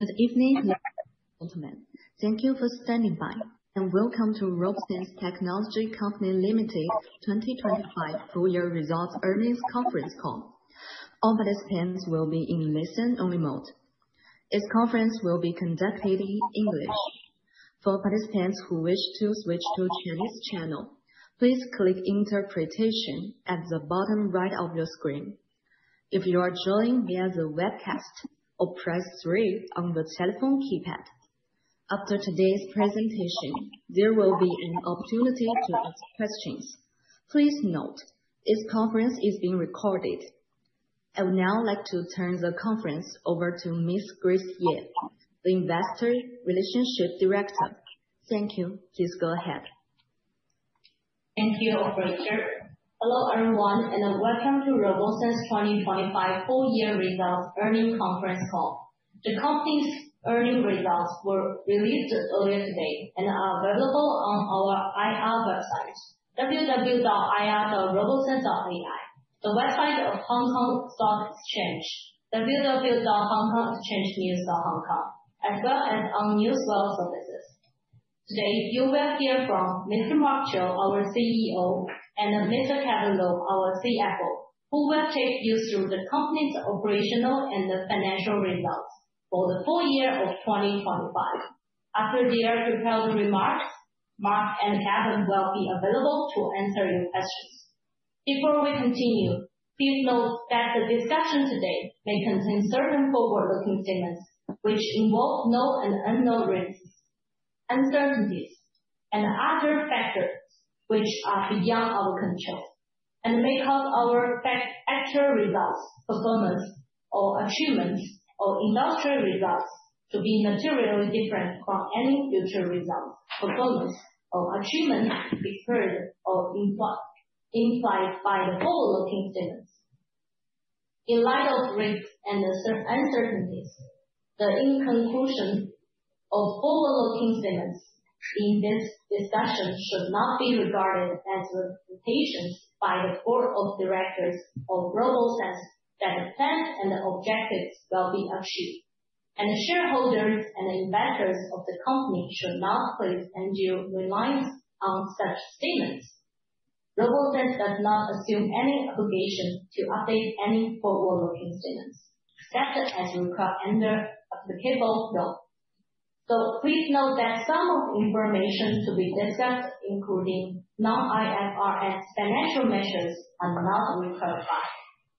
Good evening, ladies and gentlemen. Thank you for standing by, and welcome to RoboSense Technology Co., Ltd. 2025 full year results earnings conference call. All participants will be in listen-only mode. This conference will be conducted in English. For participants who wish to switch to Chinese channel, please click interpretation at the bottom right of your screen. If you are joining via the webcast, press three on the telephone keypad. After today's presentation, there will be an opportunity to ask questions. Please note, this conference is being recorded. I would now like to turn the conference over to Miss Grace Ye, the Investor Relations Director. Thank you. Please go ahead. Thank you, operator. Hello, everyone, welcome to RoboSense 2025 full year results earnings conference call. The company's earnings results were released earlier today and are available on our IR website, www.ir.robosense.ai, the website of Hong Kong Stock Exchange, www.hongkongexchangenews.hongkong, as well as on news wire services. Today, you will hear from Mr. Mark Qiu, our CEO, and Mr. Kelvin Law, our CFO, who will take you through the company's operational and financial results for the full year of 2025. After their prepared remarks, Mark and Kelvin Law will be available to answer your questions. Before we continue, please note that the discussion today may contain certain forward-looking statements which involve known and unknown risks, uncertainties, and other factors which are beyond our control, and may cause our actual results, performance or achievements or industrial results to be materially different from any future results, performance or achievement referred or implied by the forward-looking statements. In light of risks and uncertainties, the inclusion of forward-looking statements in this discussion should not be regarded as representations by the board of directors of RoboSense that the plan and objectives will be achieved, and the shareholders and investors of the company should not place undue reliance on such statements. RoboSense does not assume any obligation to update any forward-looking statements, except as required under applicable law. Please note that some of the information to be discussed, including non-IFRS financial measures are not reconciled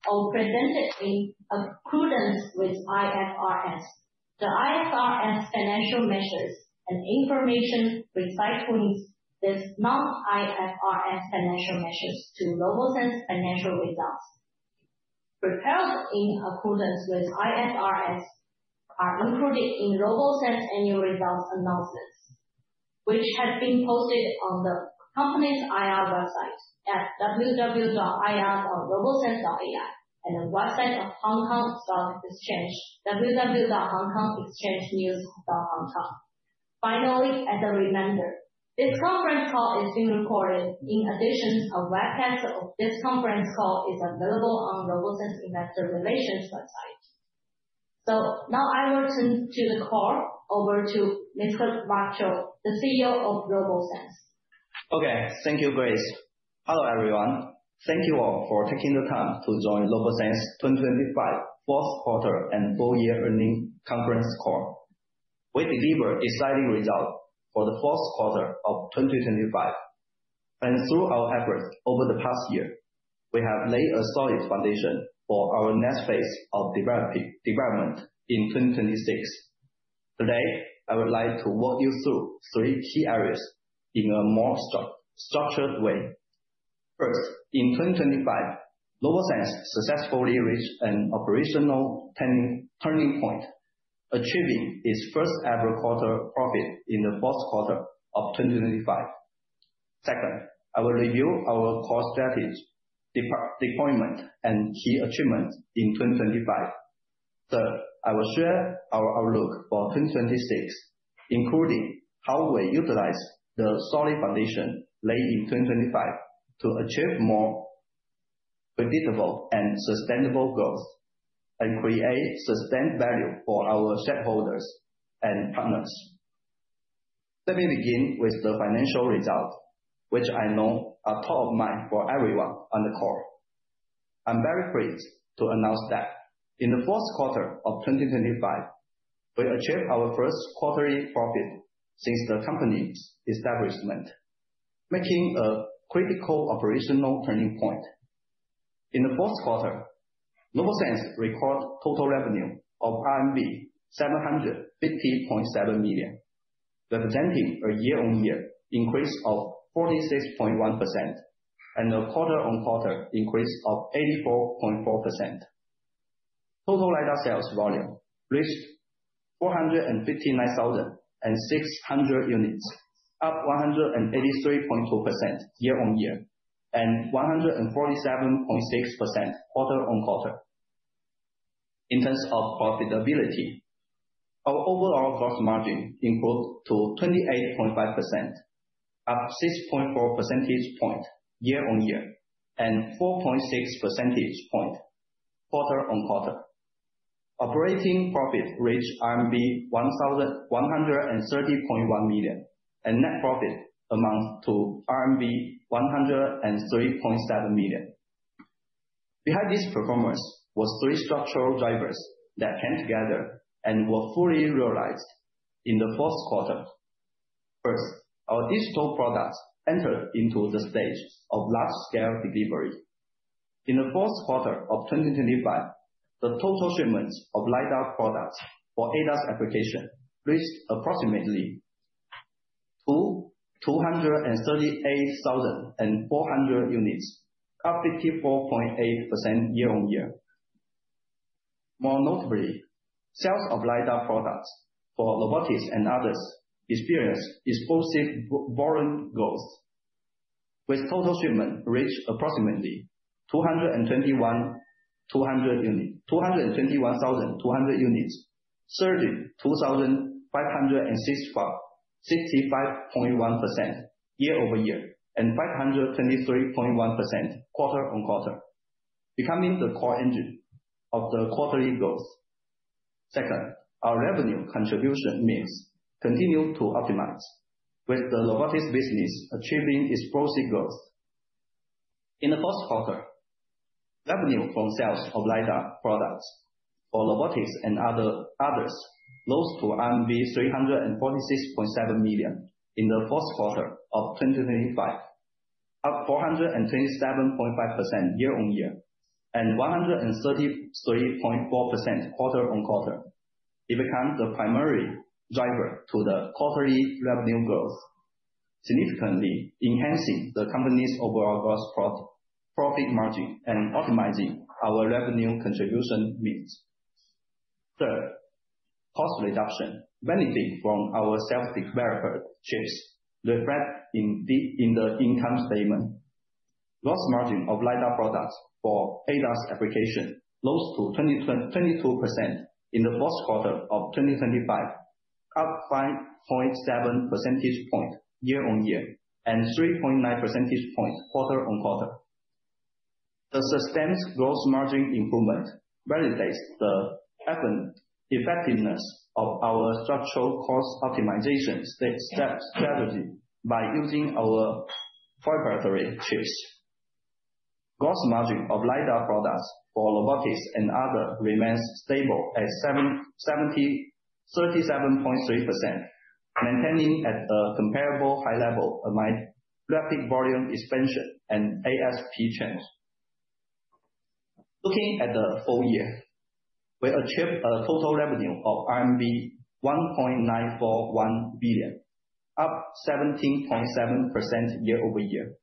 or presented in accordance with IFRS. The IFRS financial measures and information reconciling these non-IFRS financial measures to RoboSense financial results prepared in accordance with IFRS are included in RoboSense annual results announcements, which have been posted on the company's IR website at www.ir.robosense.ai and the website of Hong Kong Stock Exchange, www.hongkongexchangenews.hongkong. Finally, as a reminder, this conference call is being recorded. In addition, a webcast of this conference call is available on RoboSense Investor Relations website. Now I will turn the call over to Mr. Mark Qiu, the CEO of RoboSense. Okay. Thank you, Grace. Hello, everyone. Thank you all for taking the time to join RoboSense 2025 fourth quarter and full year earnings conference call. We delivered exciting results for the fourth quarter of 2025. Through our efforts over the past year, we have laid a solid foundation for our next phase of development in 2026. Today, I would like to walk you through three key areas in a more structured way. First, in 2025, RoboSense successfully reached an operational turning point, achieving its first-ever quarter profit in the fourth quarter of 2025. Second, I will review our core strategies, deployment, and key achievements in 2025. Third, I will share our outlook for 2026, including how we utilize the solid foundation laid in 2025 to achieve more predictable and sustainable growth and create sustained value for our shareholders and partners. Let me begin with the financial results, which I know are top of mind for everyone on the call. I am very pleased to announce that in the fourth quarter of 2025, we achieved our first quarterly profit since the company's establishment, making a critical operational turning point. In the fourth quarter, RoboSense recorded total revenue of RMB 750.7 million, representing a year-on-year increase of 46.1% and a quarter-on-quarter increase of 84.4%. Total LiDAR sales volume reached 459,600 units, up 183.4% year-on-year and 147.6% quarter-on-quarter. In terms of profitability, our overall gross margin improved to 28.5%. Up 6.4 percentage point year on year, and 4.6 percentage point quarter on quarter. Operating profit reached RMB 130.1 million, and net profit amounts to RMB 103.7 million. Behind this performance was three structural drivers that came together and were fully realized in the fourth quarter. Our digital products entered into the stage of large-scale delivery. In the fourth quarter of 2025, the total shipments of LiDAR products for ADAS application reached approximately 238,400 units, up 54.8% year-on-year. Sales of LiDAR products for robotics and others experienced explosive volume growth, with total shipment reach approximately 221,200 units, surging 2,565.1% year-over-year and 523.1% quarter-on-quarter, becoming the core engine of the quarterly growth. Our revenue contribution mix continue to optimize, with the robotics business achieving explosive growth. In the first quarter, revenue from sales of LiDAR products for robotics and others rose to RMB 346.7 million in the fourth quarter of 2025, up 427.5% year-on-year and 133.4% quarter-on-quarter. It become the primary driver to the quarterly revenue growth, significantly enhancing the company's overall gross profit margin and optimizing our revenue contribution mix. Third, cost reduction. Benefiting from our self-developed chips, reflect in the income statement. Gross margin of LiDAR products for ADAS application rose to 22% in the fourth quarter of 2025, up 5.7 percentage point year-on-year, and 3.9 percentage point quarter-on-quarter. The sustained gross margin improvement validates the effectiveness of our structural cost optimization strategy by using our proprietary chips. Gross margin of LiDAR products for robotics and other, remains stable at 37.3%, maintaining at a comparable high level amid rapid volume expansion and ASP change. Looking at the full year, we achieved a total revenue of RMB 1.941 billion, up 17.7% year-over-year.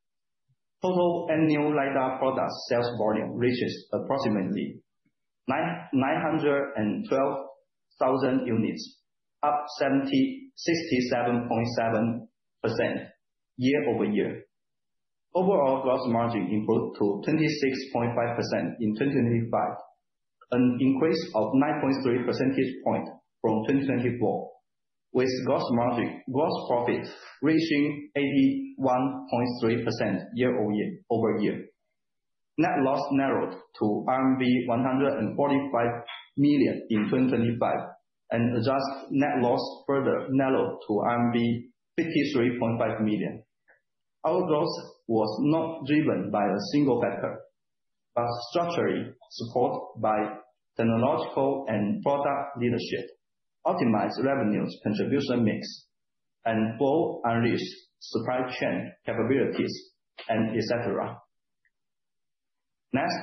Total annual LiDAR product sales volume reaches approximately 912,000 units, up 67.7% year-over-year. Overall gross margin improved to 26.5% in 2025, an increase of 9.3 percentage point from 2024, with gross profits reaching 81.3% year-over-year. Net loss narrowed to RMB 145 million in 2025, and adjusted net loss further narrowed to RMB 53.5 million. Our growth was not driven by a single factor, but structurally supported by technological and product leadership, optimized revenue contribution mix, and both unleashed supply chain capabilities and et cetera. Next,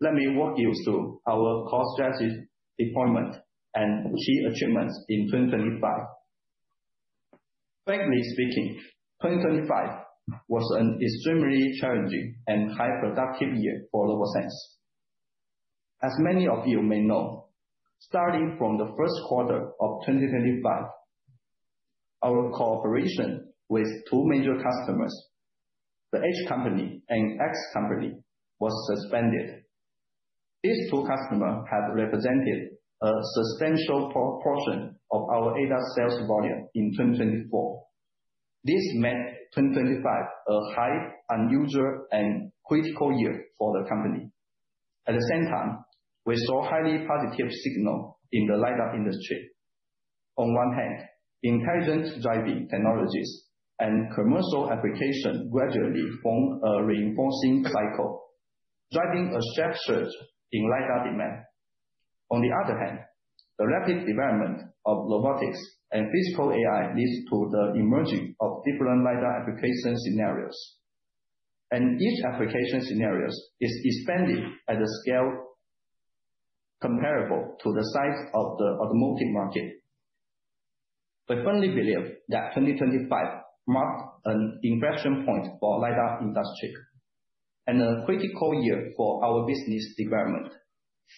let me walk you through our core strategy deployment and key achievements in 2025. Frankly speaking, 2025 was an extremely challenging and highly productive year for RoboSense. As many of you may know, starting from the first quarter of 2025, our cooperation with two major customers, the H company and X company, was suspended. These two customers had represented a substantial proportion of our ADAS sales volume in 2024. This made 2025 a highly unusual and critical year for the company. At the same time, we saw highly positive signal in the LiDAR industry. On one hand, intelligent driving technologies and commercial application gradually form a reinforcing cycle, driving a sharp surge in LiDAR demand. On the other hand, the rapid development of robotics and physical AI leads to the emerging of different LiDAR application scenarios, and each application scenarios is expanding at a scale comparable to the size of the automotive market. We firmly believe that 2025 marked an inflection point for LiDAR industry and a critical year for our business development.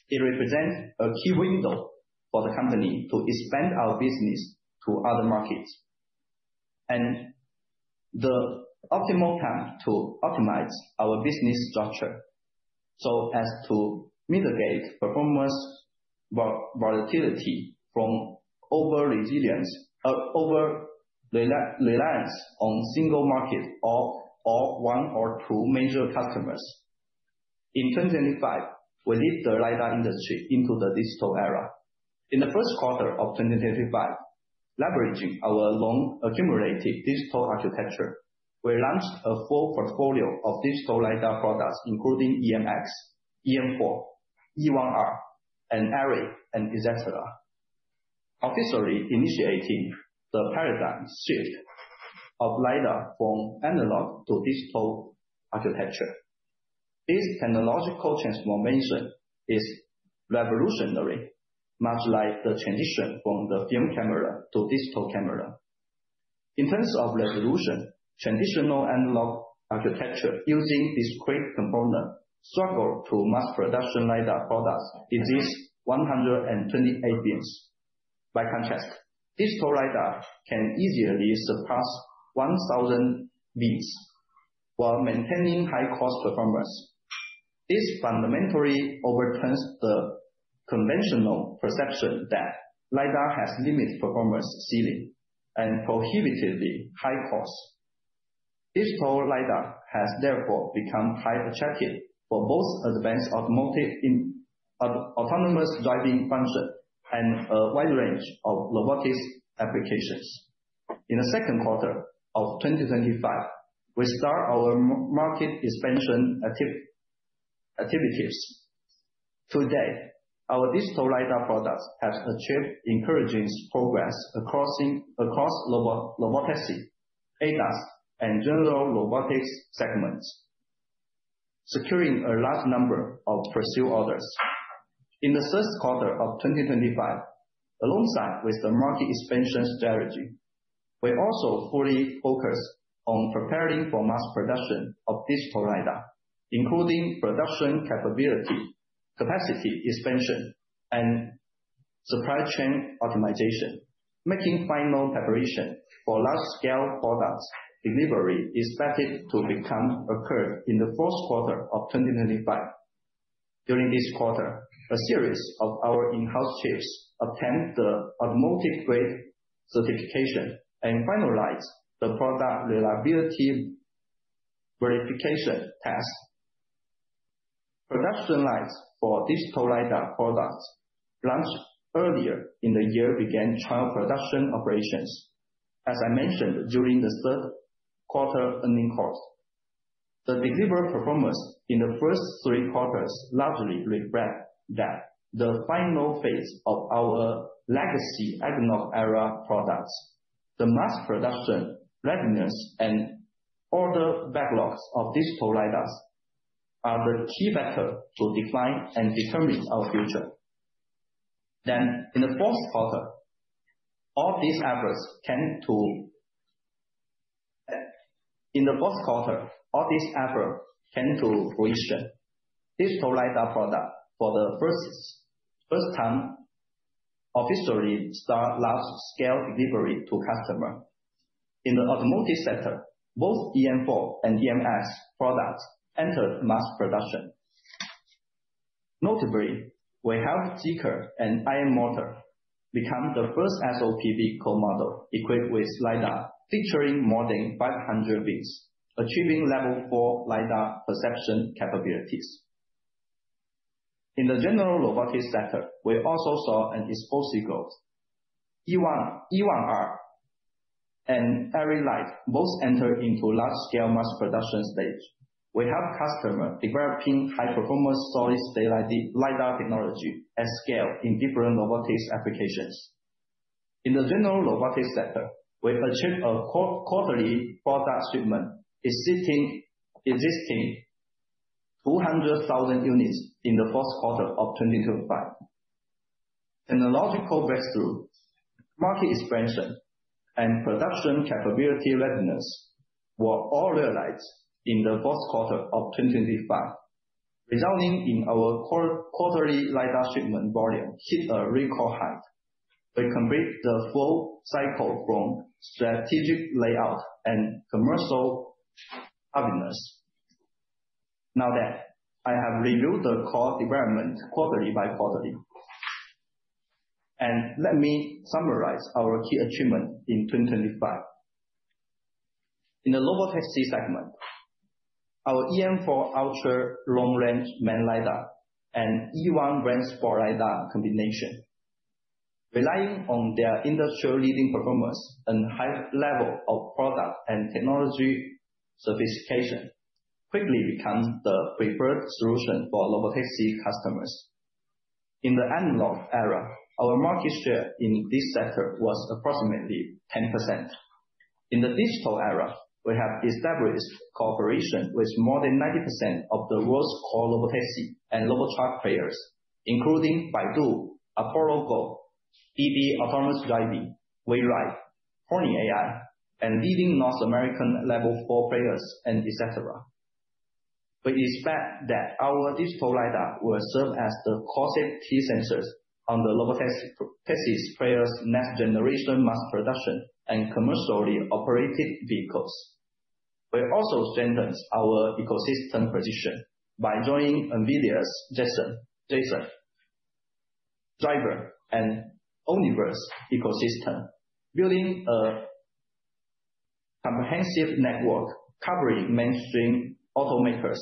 It represent a key window for the company to expand our business to other markets, and the optimal time to optimize our business structure so as to mitigate performance volatility from over-reliance on single market or one or two major customers. In 2025, we lead the LiDAR industry into the digital era. In the first quarter of 2025, leveraging our long-accumulated digital architecture, we launched a full portfolio of digital LiDAR products including EMX, EM4, E1R, and Airy. Officially initiating the paradigm shift of LiDAR from analog to digital architecture. This technological transformation is revolutionary, much like the transition from the film camera to digital camera. In terms of resolution, traditional analog architecture using discrete component struggle to mass production LiDAR products exceeds 128 beams. By contrast, digital LiDAR can easily surpass 1,000 beams while maintaining high-cost performance. This fundamentally overturns the conventional perception that LiDAR has limited performance ceiling and prohibitively high cost. Digital LiDAR has therefore become hyper attractive for both advanced automotive in autonomous driving function and a wide range of robotics applications. In the second quarter of 2025, we start our market expansion activities. To date, our digital LiDAR products have achieved encouraging progress across robotaxi, ADAS, and general robotics segments, securing a large number of pursued orders. In the first quarter of 2025, alongside with the market expansion strategy, we also fully focus on preparing for mass production of digital LiDAR, including production capability, capacity expansion, and supply chain optimization, making final preparation for large-scale products delivery expected to occur in the fourth quarter of 2025. During this quarter, a series of our in-house chips attend the automotive grade certification and finalize the product reliability verification test. Production lines for digital LiDAR products launched earlier in the year began trial production operations. As I mentioned during the third quarter earnings call, the delivered performance in the first three quarters largely reflect that the final phase of our legacy economic era products, the mass production readiness, and order backlogs of digital lidars are the key factor to define and determine our future. In the fourth quarter, all these efforts came to fruition. Digital lidar product for the first time officially start large-scale delivery to customer. In the automotive sector, both EM4 and EMX products entered mass production. Notably, we have Zeekr and IM Motor become the first SOP vehicle model equipped with lidar, featuring more than 500 beams, achieving level four lidar perception capabilities. In the general robotics sector, we also saw an explosive growth. E1R and Airy Lite both enter into large-scale mass production stage. We have customer developing high-performance solid-state lidar technology at scale in different robotics applications. In the general robotics sector, we achieved a quarterly product shipment exceeding 200,000 units in the fourth quarter of 2025. Technological breakthroughs, market expansion, and production capability readiness were all realized in the fourth quarter of 2025, resulting in our quarterly LIDAR shipment volume hit a record high. We complete the full cycle from strategic layout and commercial readiness. Now that I have reviewed the core development quarterly by quarterly, and let me summarize our key achievement in 2025. In the robotaxi segment, our EM4 ultra long-range main LIDAR and E1 range four LIDAR combination, relying on their industry-leading performance and high level of product and technology sophistication, quickly becomes the preferred solution for robotaxi customers. In the analog era, our market share in this sector was approximately 10%. In the digital era, we have established cooperation with more than 90% of the world's core robotaxi and robotruck players, including Baidu, Apollo Go, DiDi Autonomous Driving, WeRide, Pony.ai, and leading North American level four players, and et cetera. We expect that our digital LiDAR will serve as the core set key sensors on the robotaxi players' next-generation mass production and commercially operated vehicles. We also strengthen our ecosystem position by joining NVIDIA's DRIVE and Omniverse ecosystem, building a comprehensive network covering mainstream automakers,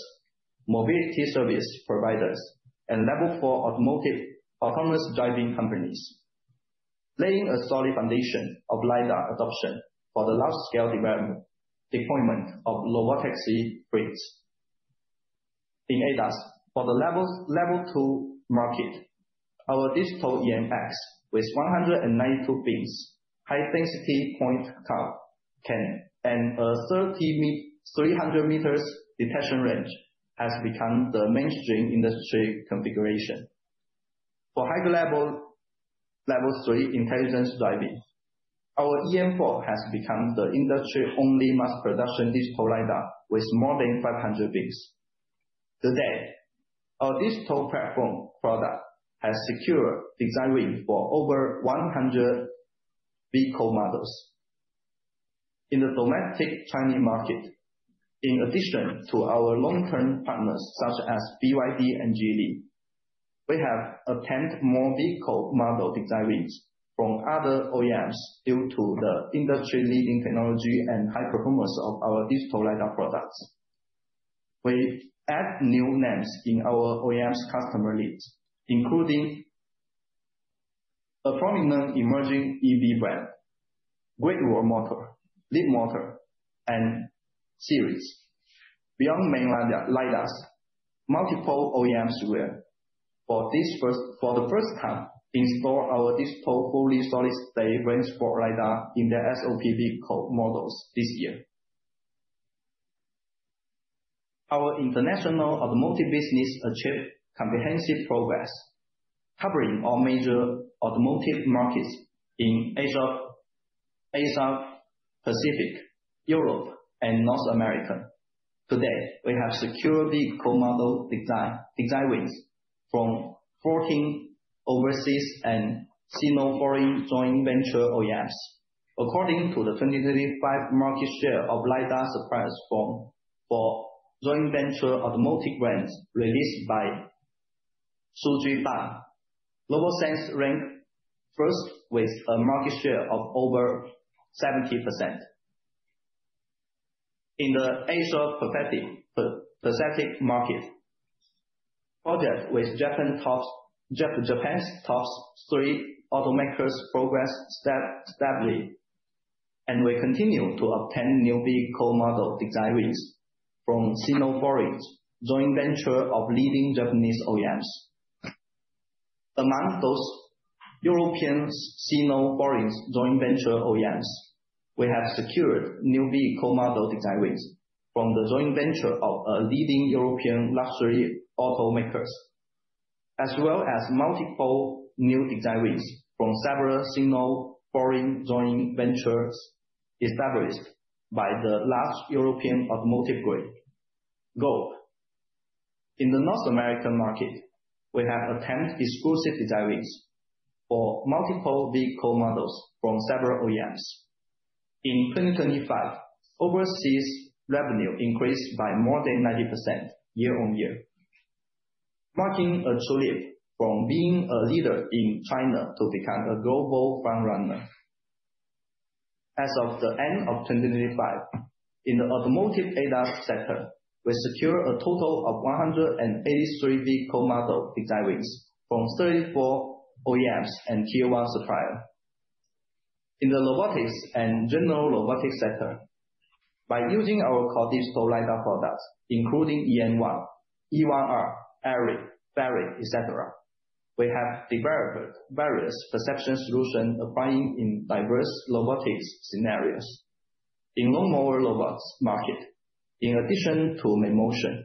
mobility service providers, and level four automotive autonomous driving companies, laying a solid foundation of LiDAR adoption for the large-scale deployment of robotaxi fleets. In ADAS, for the level two market, our digital EMX with 192 beams, high-density point cloud, and a 300 meters detection range has become the mainstream industry configuration. For high level, Level three intelligence driving, our EM4 has become the industry-only mass production digital LiDAR with more than 500 beams. To date, our digital platform product has secured design wins for over 100 vehicle models. In the domestic Chinese market, in addition to our long-term partners such as BYD and Geely, we have obtained more vehicle model design wins from other OEMs due to the industry-leading technology and high performance of our digital LiDAR products. We add new names in our OEMs customer list, including a prominent emerging EV brand, Great Wall Motor, Leapmotor, and Seres. Beyond mainland LiDARs, multiple OEMs will, for the first time, install our digital fully solid-state range finder LiDAR in their export models this year. Our international automotive business achieved comprehensive progress covering all major automotive markets in Asia Pacific, Europe, and North America. To date, we have secured vehicle model design wins from 14 overseas and Sino-Foreign joint venture OEMs. According to the 2025 market share of LiDAR suppliers for joint venture automotive brands released by [Suju Ba], RoboSense ranked first with a market share of over 70%. In the Asia-Pacific market, project with Japan's top three automakers progress steadily, and we continue to obtain new vehicle model design wins from Sino-Foreign's joint venture of leading Japanese OEMs. Among those European Sino-Foreign's joint venture OEMs, we have secured new vehicle model design wins from the joint venture of a leading European luxury automakers, as well as multiple new design wins from several Sino-Foreign joint ventures established by the large European automotive group. In the North American market, we have obtained exclusive design wins for multiple vehicle models from several OEMs. In 2025, overseas revenue increased by more than 90% year-over-year, marking a leap from being a leader in China to become a global frontrunner. As of the end of 2025, in the automotive ADAS sector, we secured a total of 183 vehicle model design wins from 34 OEMs and tier one suppliers. In the robotics and general robotics sector, by using our core digital lidar products including EM1, E1R, Airy, Bpearl, et cetera, we have developed various perception solutions applying in diverse robotics scenarios. In lawnmower robots market, in addition to Mammotion,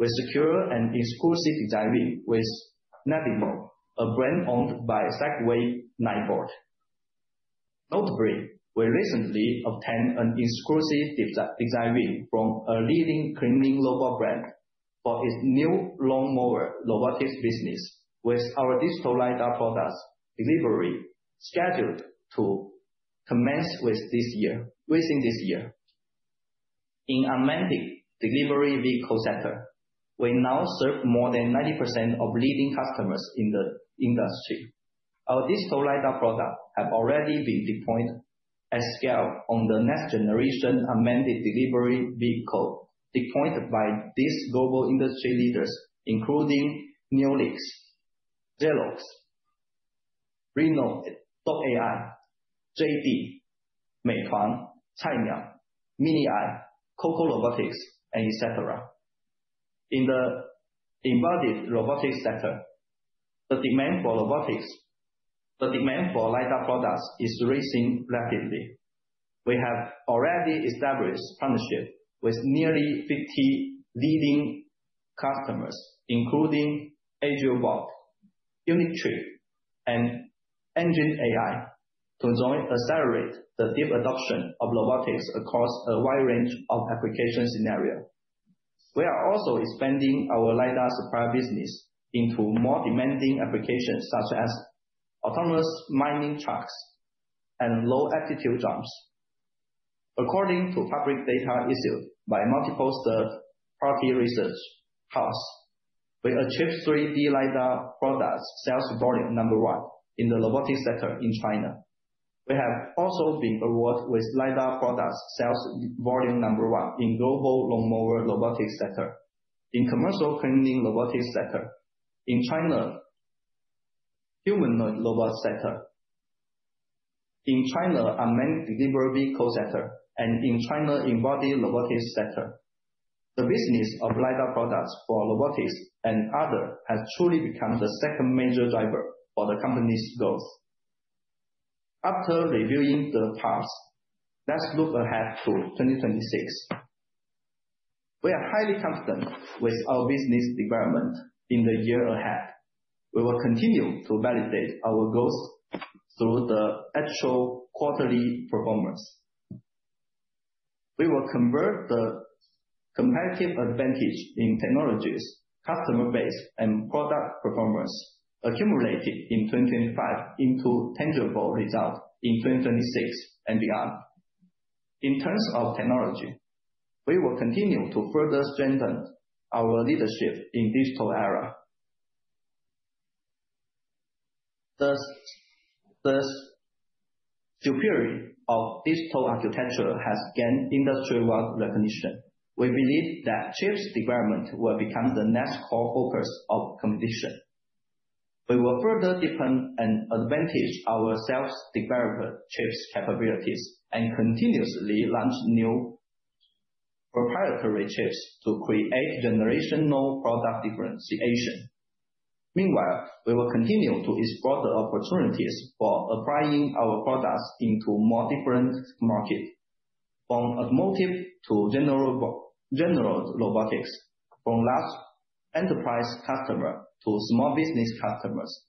we secured an exclusive design win with Navimow, a brand owned by Segway-Ninebot. Notably, we recently obtained an exclusive design win from a leading cleaning robot brand for its new lawnmower robotics business, with our digital lidar products delivery scheduled to commence within this year. In unmanned delivery vehicle center, we now serve more than 90% of leading customers in the industry. Our digital lidar products have already been deployed at scale on the next-generation unmanned delivery vehicle deployed by these global industry leaders including Neolix, Zoox, Nuro, [Dot Ai], JD, Meituan, Cainiao, MINIEYE, Coco Robotics, and et cetera. In the embedded robotics sector, the demand for LIDAR products is rising rapidly. We have already established partnership with nearly 50 leading customers, including Agibot, Unitree, and Engine AI, to accelerate the deep adoption of robotics across a wide range of application scenarios. We are also expanding our LIDAR supplier business into more demanding applications such as autonomous mining trucks and low-altitude drones. According to public data issued by multiple third-party research house, we achieved 3D LIDAR products sales volume number 1 in the robotics sector in China. We have also been awarded with LiDAR products sales volume number one in global lawnmower robotics sector, in commercial cleaning robotics sector, in China humanoid robot sector, in China unmanned delivery core sector, and in China embodied robotics sector. The business of LiDAR products for robotics and other has truly become the second major driver for the company's growth. After reviewing the past, let's look ahead to 2026. We are highly confident with our business development in the year ahead. We will continue to validate our goals through the actual quarterly performance. We will convert the competitive advantage in technologies, customer base, and product performance accumulated in 2025 into tangible results in 2026 and beyond. In terms of technology, we will continue to further strengthen our leadership in digital era. The superiority of digital architecture has gained industry-wide recognition. We believe that chips development will become the next core focus of competition. We will further deepen and advantage our self-developed chips capabilities and continuously launch new proprietary chips to create generational product differentiation. Meanwhile, we will continue to explore the opportunities for applying our products into more different markets, from automotive to general robotics, from large enterprise customer to small business customers,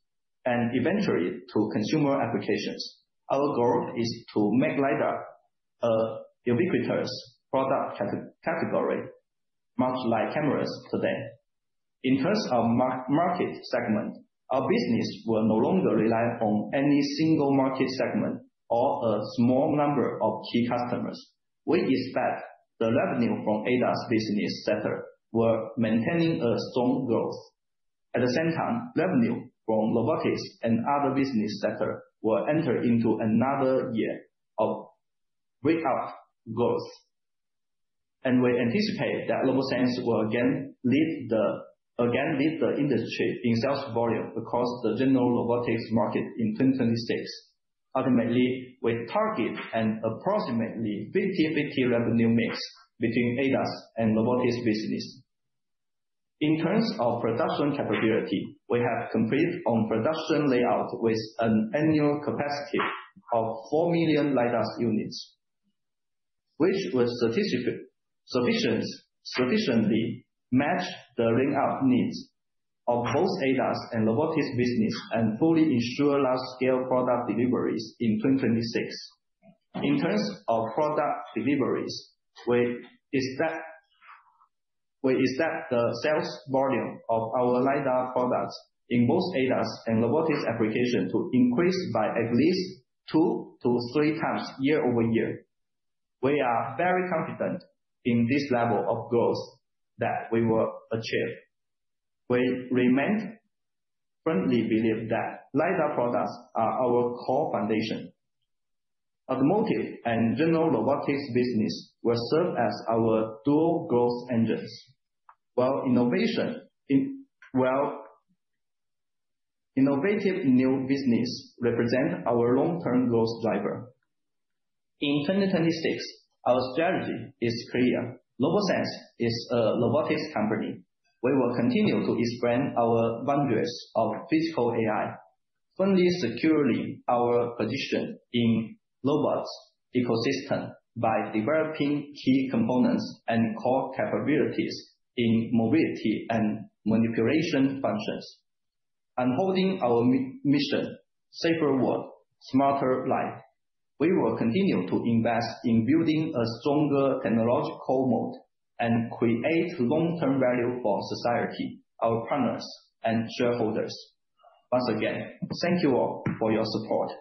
and eventually to consumer applications. Our goal is to make LiDAR a ubiquitous product category, much like cameras today. In terms of market segment, our business will no longer rely on any single market segment or a small number of key customers. We expect the revenue from ADAS business sector will maintain a strong growth. At the same time, revenue from robotics and other business sectors will enter into another year of great growth. We anticipate that RoboSense will again lead the industry in sales volume across the general robotics market in 2026. Ultimately, we target an approximately 50/50 revenue mix between ADAS and robotics business. In terms of production capability, we have completed on production layout with an annual capacity of four million LiDAR units, which will sufficiently match the ramp-up needs of both ADAS and robotics business and fully ensure large-scale product deliveries in 2026. In terms of product deliveries, we expect the sales volume of our LiDAR products in both ADAS and robotics application to increase by at least two to three times year-over-year. We are very confident in this level of growth that we will achieve. We remain firmly believe that LiDAR products are our core foundation. Automotive and general robotics business will serve as our dual growth engines, while innovative new business represent our long-term growth driver. In 2026, our strategy is clear. RoboSense is a robotics company. We will continue to expand our boundaries of physical AI, firmly securing our position in robots ecosystem by developing key components and core capabilities in mobility and manipulation functions. Holding our mission, safer world, smarter life. We will continue to invest in building a stronger technological moat and create long-term value for society, our partners, and shareholders. Once again, thank you all for your support.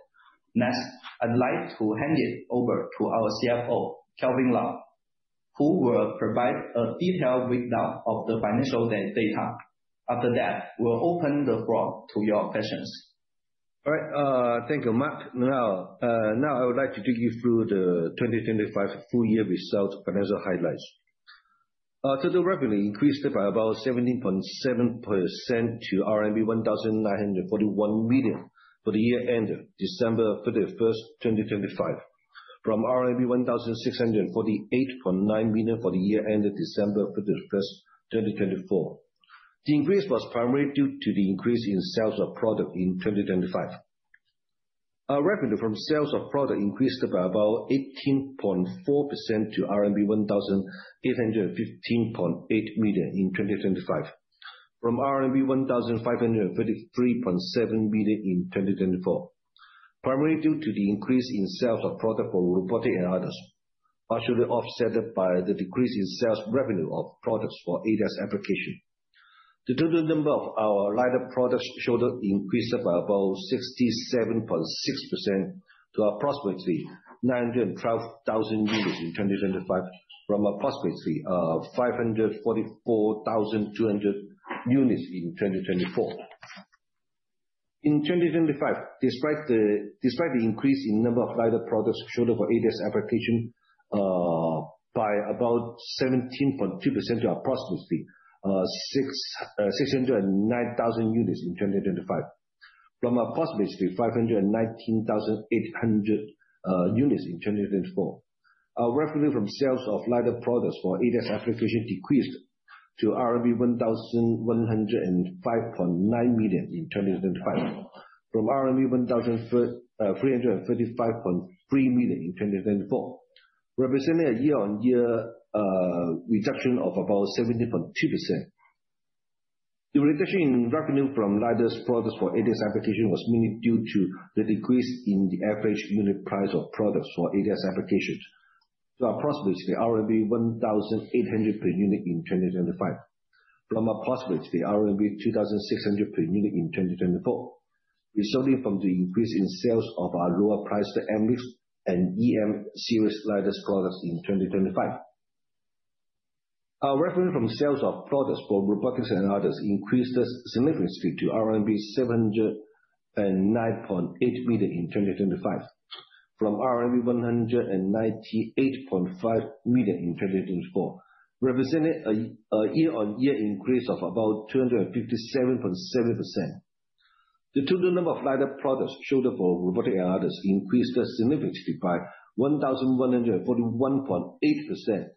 Next, I'd like to hand it over to our CFO, Kelvin Law, who will provide a detailed breakdown of the financial data. After that, we'll open the floor to your questions. All right. Thank you, Mark Qiu. I would like to take you through the 2025 full year results financial highlights. Total revenue increased by about 17.7% to RMB 1,941 million for the year ended December 31st, 2025, from RMB 1,648.9 million for the year ended December 31st, 2024. The increase was primarily due to the increase in sales of product in 2025. Our revenue from sales of product increased by about 18.4% to RMB 1,815.8 million in 2025 from RMB 1,533.7 million in 2024, primarily due to the increase in sales of product for robotic and others, partially offset by the decrease in sales revenue of products for ADAS application. The total number of our LiDAR products showed an increase of about 67.6% to approximately 912,000 units in 2025, from approximately 544,200 units in 2024. In 2025, despite the increase in number of LiDAR products showed up for ADAS application by about 17.2% to approximately 609,000 units in 2025 from approximately 519,800 units in 2024. Our revenue from sales of LiDAR products for ADAS application decreased to RMB 1,105.9 million in 2025, from RMB 1,335.3 million in 2024, representing a year-on-year reduction of about 17.2%. The reduction in revenue from LiDARs products for ADAS application was mainly due to the decrease in the average unit price of products for ADAS applications to approximately RMB 1,800 per unit in 2025, from approximately RMB 2,600 per unit in 2024, resulting from the increase in sales of our lower priced MLIF and EM Series LiDARs products in 2025. Our revenue from sales of products for robotics and others increased significantly to RMB 709.8 million in 2025 from RMB 198.5 million in 2024, representing a year-on-year increase of about 257.7%. The total number of LiDAR products showed up for robotic and others increased significantly by 1,141.8%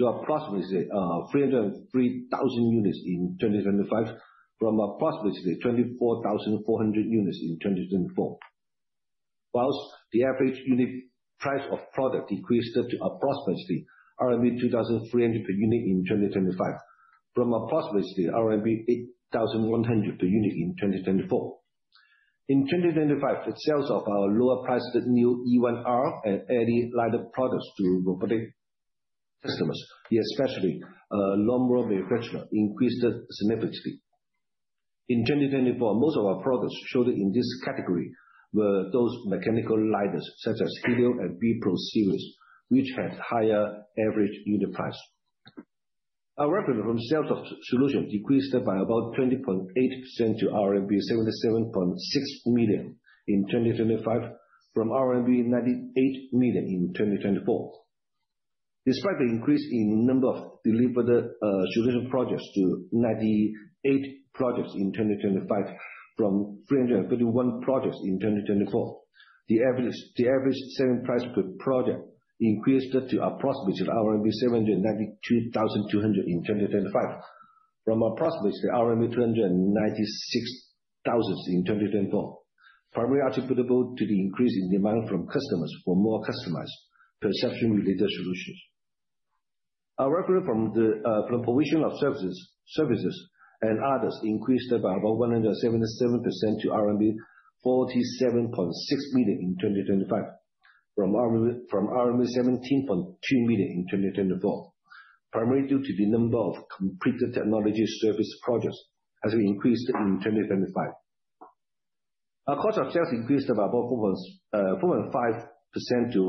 to approximately 303,000 units in 2025 from approximately 24,400 units in 2024. Whilst the average unit price of product increased to approximately RMB 2,300 per unit in 2025, from approximately RMB 8,100 per unit in 2024. In 2025, the sales of our lower priced new E1R and Airy LiDAR products to robotic customers, especially lawnmower manufacturers, increased significantly. In 2024, most of our products showed in this category were those mechanical LiDARs, such as Helios and Bpearl Series, which had higher average unit price. Our revenue from sales of solutions decreased by about 20.8% to RMB 77.6 million in 2025 from RMB 98 million in 2024. Despite the increase in number of delivered solution projects to 98 projects in 2025 from 331 projects in 2024. The average selling price per project increased to approximately RMB 793,200 in 2025 from approximately RMB 296,000 in 2024, primarily attributable to the increase in demand from customers for more customized perception-related solutions. Our revenue from the provision of services and others increased by about 177% to RMB 47.6 million in 2025 from RMB 17.2 million in 2024, primarily due to the number of completed technology service projects, as we increased in 2025. Our cost of sales increased about 4.5% to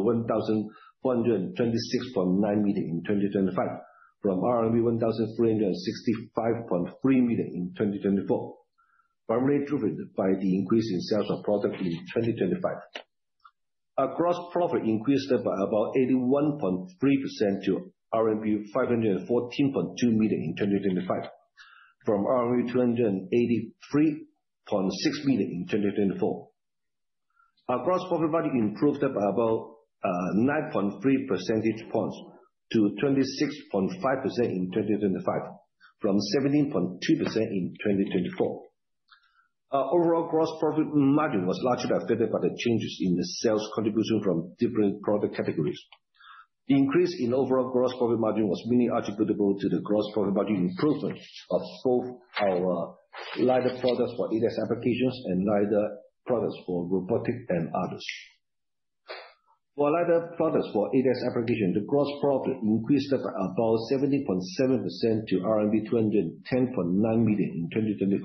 1,426.9 million in 2025 from RMB 1,365.3 million in 2024, primarily driven by the increase in sales of product in 2025. Our gross profit increased by about 81.3% to RMB 514.2 million in 2025 from RMB 283.6 million in 2024. Our gross profit margin improved by about 9.3 percentage points to 26.5% in 2025 from 17.2% in 2024. Our overall gross profit margin was largely affected by the changes in the sales contribution from different product categories. The increase in overall gross profit margin was mainly attributable to the gross profit margin improvement of both our LiDAR products for ADAS applications and LiDAR products for robotic and others. For LiDAR products for ADAS application, the gross profit increased by about 70.7% to RMB 210.9 million in 2025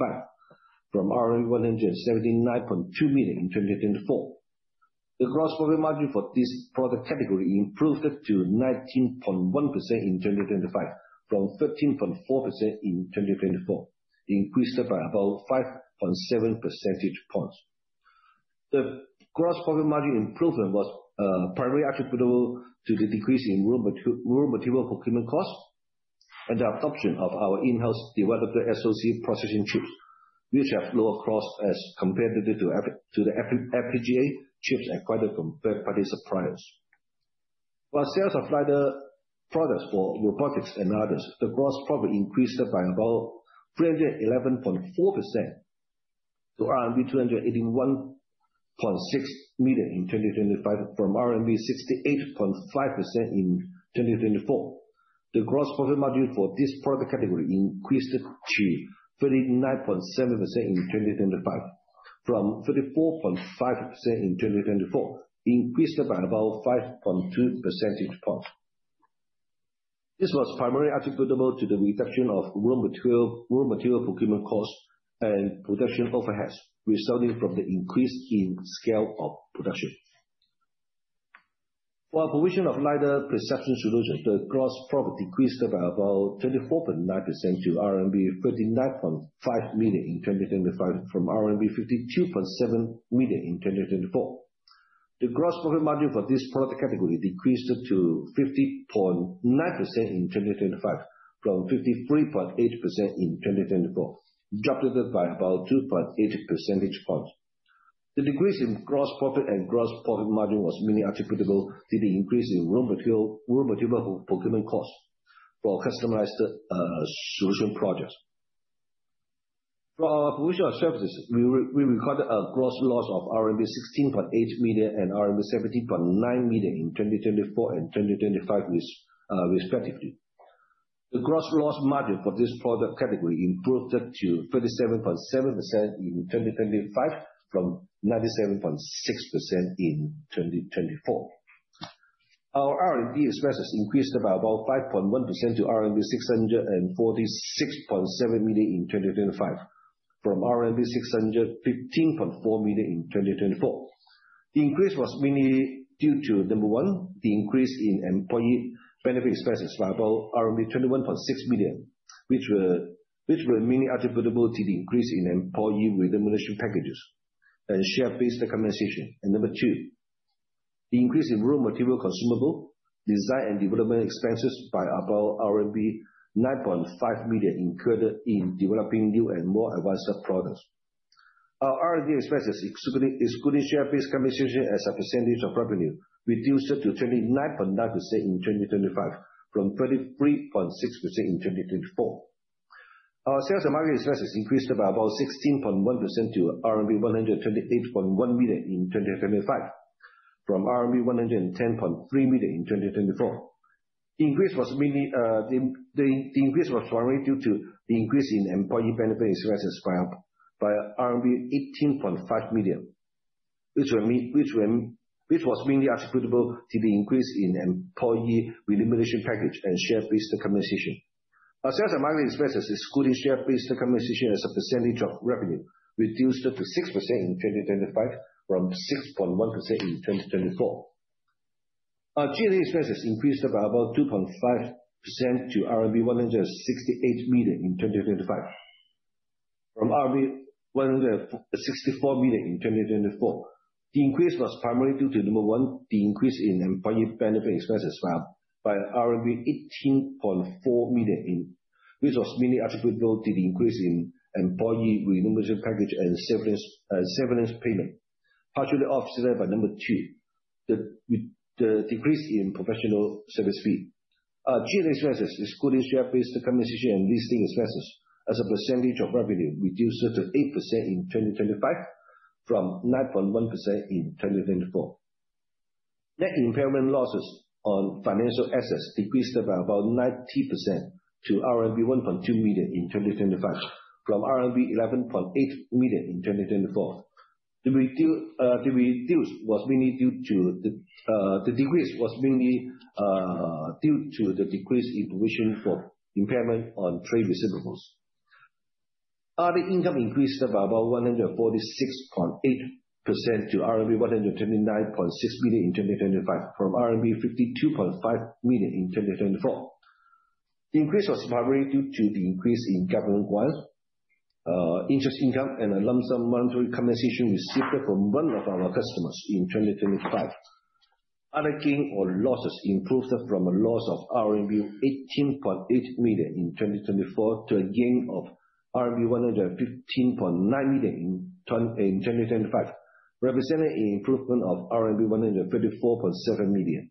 from RMB 179.2 million in 2024. The gross profit margin for this product category improved to 19.1% in 2025 from 13.4% in 2024, increased by about 5.7 percentage points. The gross profit margin improvement was primarily attributable to the decrease in raw material procurement costs and the adoption of our in-house developed SoC processing chips, which have lower cost as compared to the FPGA chips acquired from third-party suppliers. While sales of LiDAR products for robotics and others, the gross profit increased by about 311.4% to RMB 281.6 million in 2025 from RMB 68.5% in 2024. The gross profit margin for this product category increased to 39.7% in 2025 from 34.5% in 2024, increased by about 5.2 percentage points. This was primarily attributable to the reduction of raw material procurement cost and production overheads, resulting from the increase in scale of production. For our provision of LiDAR perception solutions, the gross profit decreased by about 24.9% to RMB 39.5 million in 2025 from RMB 52.7 million in 2024. The gross profit margin for this product category decreased to 50.9% in 2025 from 53.8% in 2024, dropping by about 2.8 percentage points. The decrease in gross profit and gross profit margin was mainly attributable to the increase in raw material procurement cost for customized solution projects. For our provision of services, we recorded a gross loss of RMB 16.8 million and RMB 17.9 million in 2024 and 2025, respectively. The gross loss margin for this product category improved to 37.7% in 2025 from 97.6% in 2024. Our R&D expenses increased by about 5.1% to RMB 646.7 million in 2025 from RMB 615.4 million in 2024. The increase was mainly due to, number one, the increase in employee benefit expenses by about 21.6 million, which were mainly attributable to the increase in employee remuneration packages and share-based compensation. Number two, the increase in raw material consumable design and development expenses by about RMB 9.5 million incurred in developing new and more advanced products. Our R&D expenses, excluding share-based compensation as a percentage of revenue, reduced to 29.9% in 2025 from 33.6% in 2024. Our sales and marketing expenses increased by about 16.1% to RMB 128.1 million in 2025 from RMB 110.3 million in 2024. The increase was primarily due to the increase in employee benefit expenses by RMB 18.5 million, which was mainly attributable to the increase in employee remuneration package and severance payment, partially offset by, number 2, the decrease in professional service fee. Our general expenses, excluding share-based compensation and listing expenses as a percentage of revenue, reduced to 8% in 2025 from 9.1% in 2024. Net impairment losses on financial assets decreased by about 90% to RMB 1.2 million in 2025 from RMB 11.8 million in 2024. The decrease was mainly due to the decrease in provision for impairment on trade receivables. Other income increased by about 146.8% to RMB 129.6 million in 2025 from RMB 52.5 million in 2024. The increase was primarily due to the increase in government interest income and a lump sum monetary compensation received from one of our customers in 2025. Other gain or losses improved from a loss of RMB 18.8 million in 2024 to a gain of RMB 115.9 million in 2025, representing an improvement of RMB 134.7 million.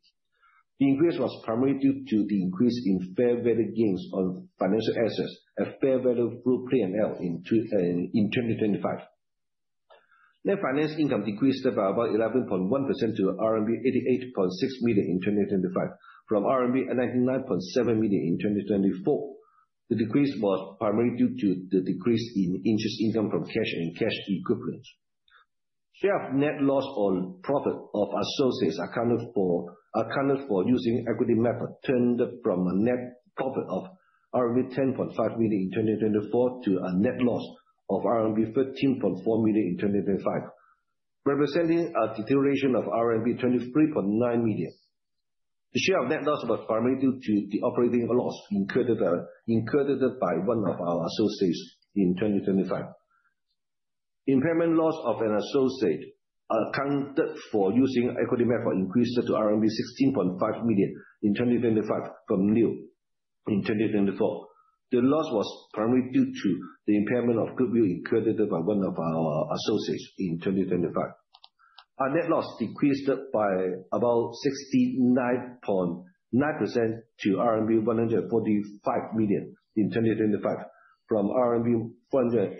The increase was primarily due to the increase in fair value gains on financial assets at fair value through P&L in 2025. Net finance income decreased by about 11.1% to RMB 88.6 million in 2025 from RMB 99.7 million in 2024. The decrease was primarily due to the decrease in interest income from cash and cash equivalents. Share of net loss on profit of associates accounted for using equity method turned from a net profit of RMB 10.5 million in 2024 to a net loss of RMB 13.4 million in 2025, representing a deterioration of RMB 23.9 million. The share of net loss was primarily due to the operating loss incurred by one of our associates in 2025. Impairment loss of an associate accounted for using equity method increased to RMB 16.5 million in 2025 from nil in 2024. The loss was primarily due to the impairment of goodwill incurred by one of our associates in 2025. Our net loss decreased by about 69.9% to RMB 145 million in 2025 from RMB 481.8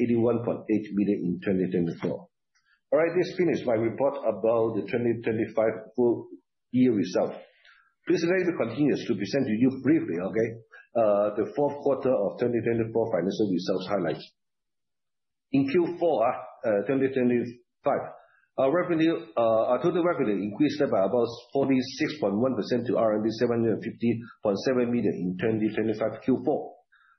million in 2024. All right. This finishes my report about the 2025 full year result. Please raise your continues to be sent to you briefly. The fourth quarter of 2024 financial results highlights. In Q4 2025, our total revenue increased by about 46.1% to RMB 750.7 million in 2025 Q4,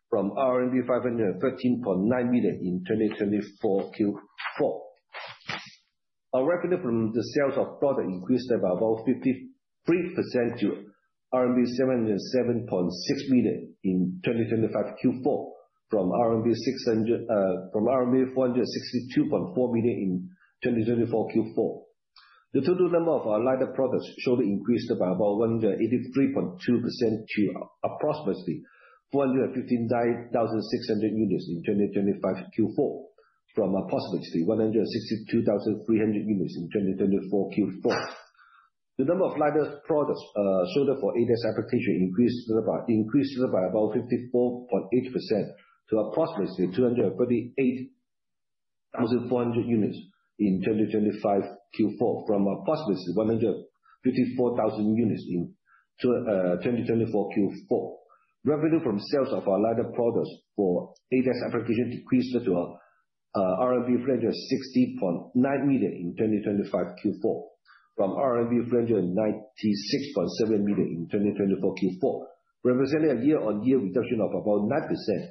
from RMB 513.9 million in 2024 Q4. Our revenue from the sales of product increased by about 53% to RMB 707.6 million in 2025 Q4, from RMB 462.4 million in 2024 Q4. The total number of our LiDAR products sold increased by about 183.2% to approximately 415,600 units in 2025 Q4, from approximately 162,300 units in 2024 Q4. The number of LiDAR products sold for ADAS application increased by about 54.8% to approximately 228,400 units in 2025 Q4, from approximately 154,000 units in 2024 Q4. Revenue from sales of our LiDAR products for ADAS application decreased to RMB 360.9 million in 2025 Q4, from 396.7 million RMB in 2024 Q4, representing a year-on-year reduction of about 9%.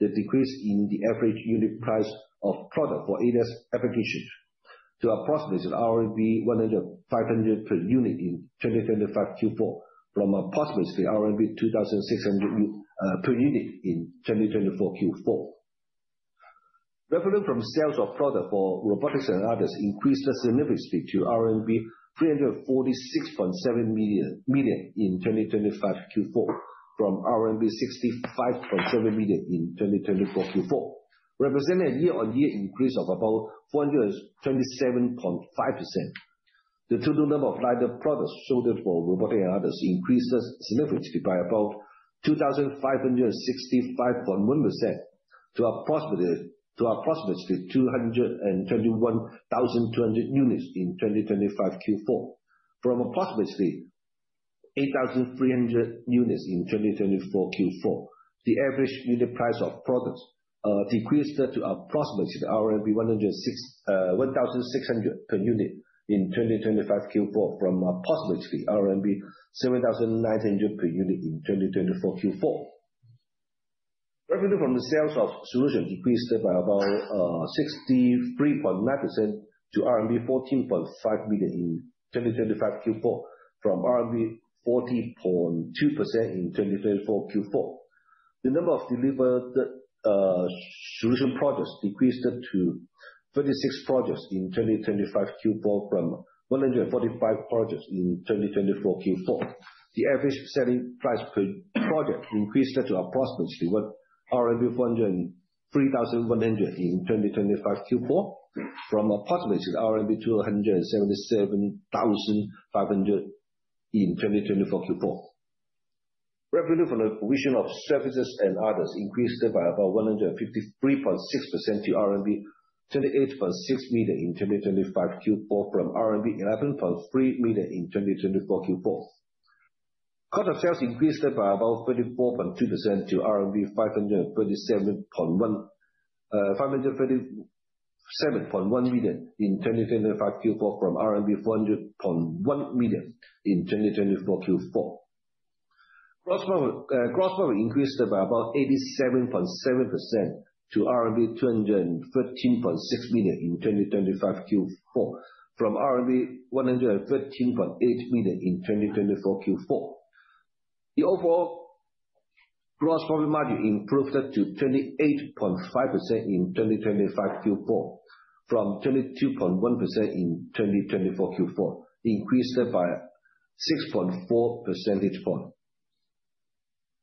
The decrease in the average unit price of product for ADAS application to approximately 1,500 per unit in 2025 Q4, from approximately 2,600 per unit in 2024 Q4. Revenue from sales of product for robotics and others increased significantly to RMB 346.7 million in 2025 Q4, from RMB 65.7 million in 2024 Q4, representing a year-on-year increase of about 427.5%. The total number of LiDAR products sold for robotic and others increased significantly by about 2,565.1% to approximately 221,000 units in 2025 Q4, from approximately 8,300 units in 2024 Q4. The average unit price of products decreased to approximately RMB 1,600 per unit in 2025 Q4, from approximately RMB 7,900 per unit in 2024 Q4. Revenue from the sales of solution increased by about 63.9% to RMB 14.5 million in 2025 Q4, from RMB 14.2% in 2024 Q4. The number of delivered solution projects decreased to 36 projects in 2025 Q4, from 145 projects in 2024 Q4. The average selling price per project increased to approximately RMB 403,100 in 2025 Q4, from approximately RMB 277,500 in 2024 Q4. Revenue for the provision of services and others increased by about 153.6% to RMB 28.6 million in 2025 Q4, from RMB 11.3 million in 2024 Q4. Cost of sales increased by about 34.2% to RMB 527.1 million in 2025 Q4, from RMB 400.1 million in 2024 Q4. Gross profit increased by about 87.7% to RMB 213.6 million in 2025 Q4, from RMB 113.8 million in 2024 Q4. The overall gross profit margin improved to 28.5% in 2025 Q4, from 22.1% in 2024 Q4, increased by 6.4%.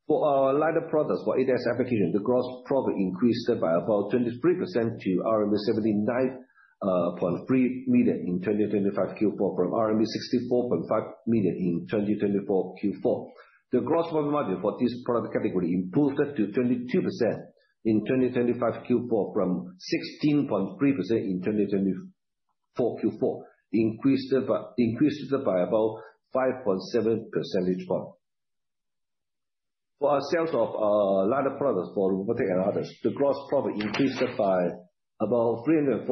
For our LiDAR products for ADAS application, the gross profit increased by about 23% to RMB 79.3 million in 2025 Q4, from RMB 64.5 million in 2024 Q4. The gross profit margin for this product category improved to 22% in 2025 Q4, from 16.3% in 2024 Q4, increased by about 5.7%. For our sales of LiDAR products for robotic and others, the gross profit increased by about 345.1%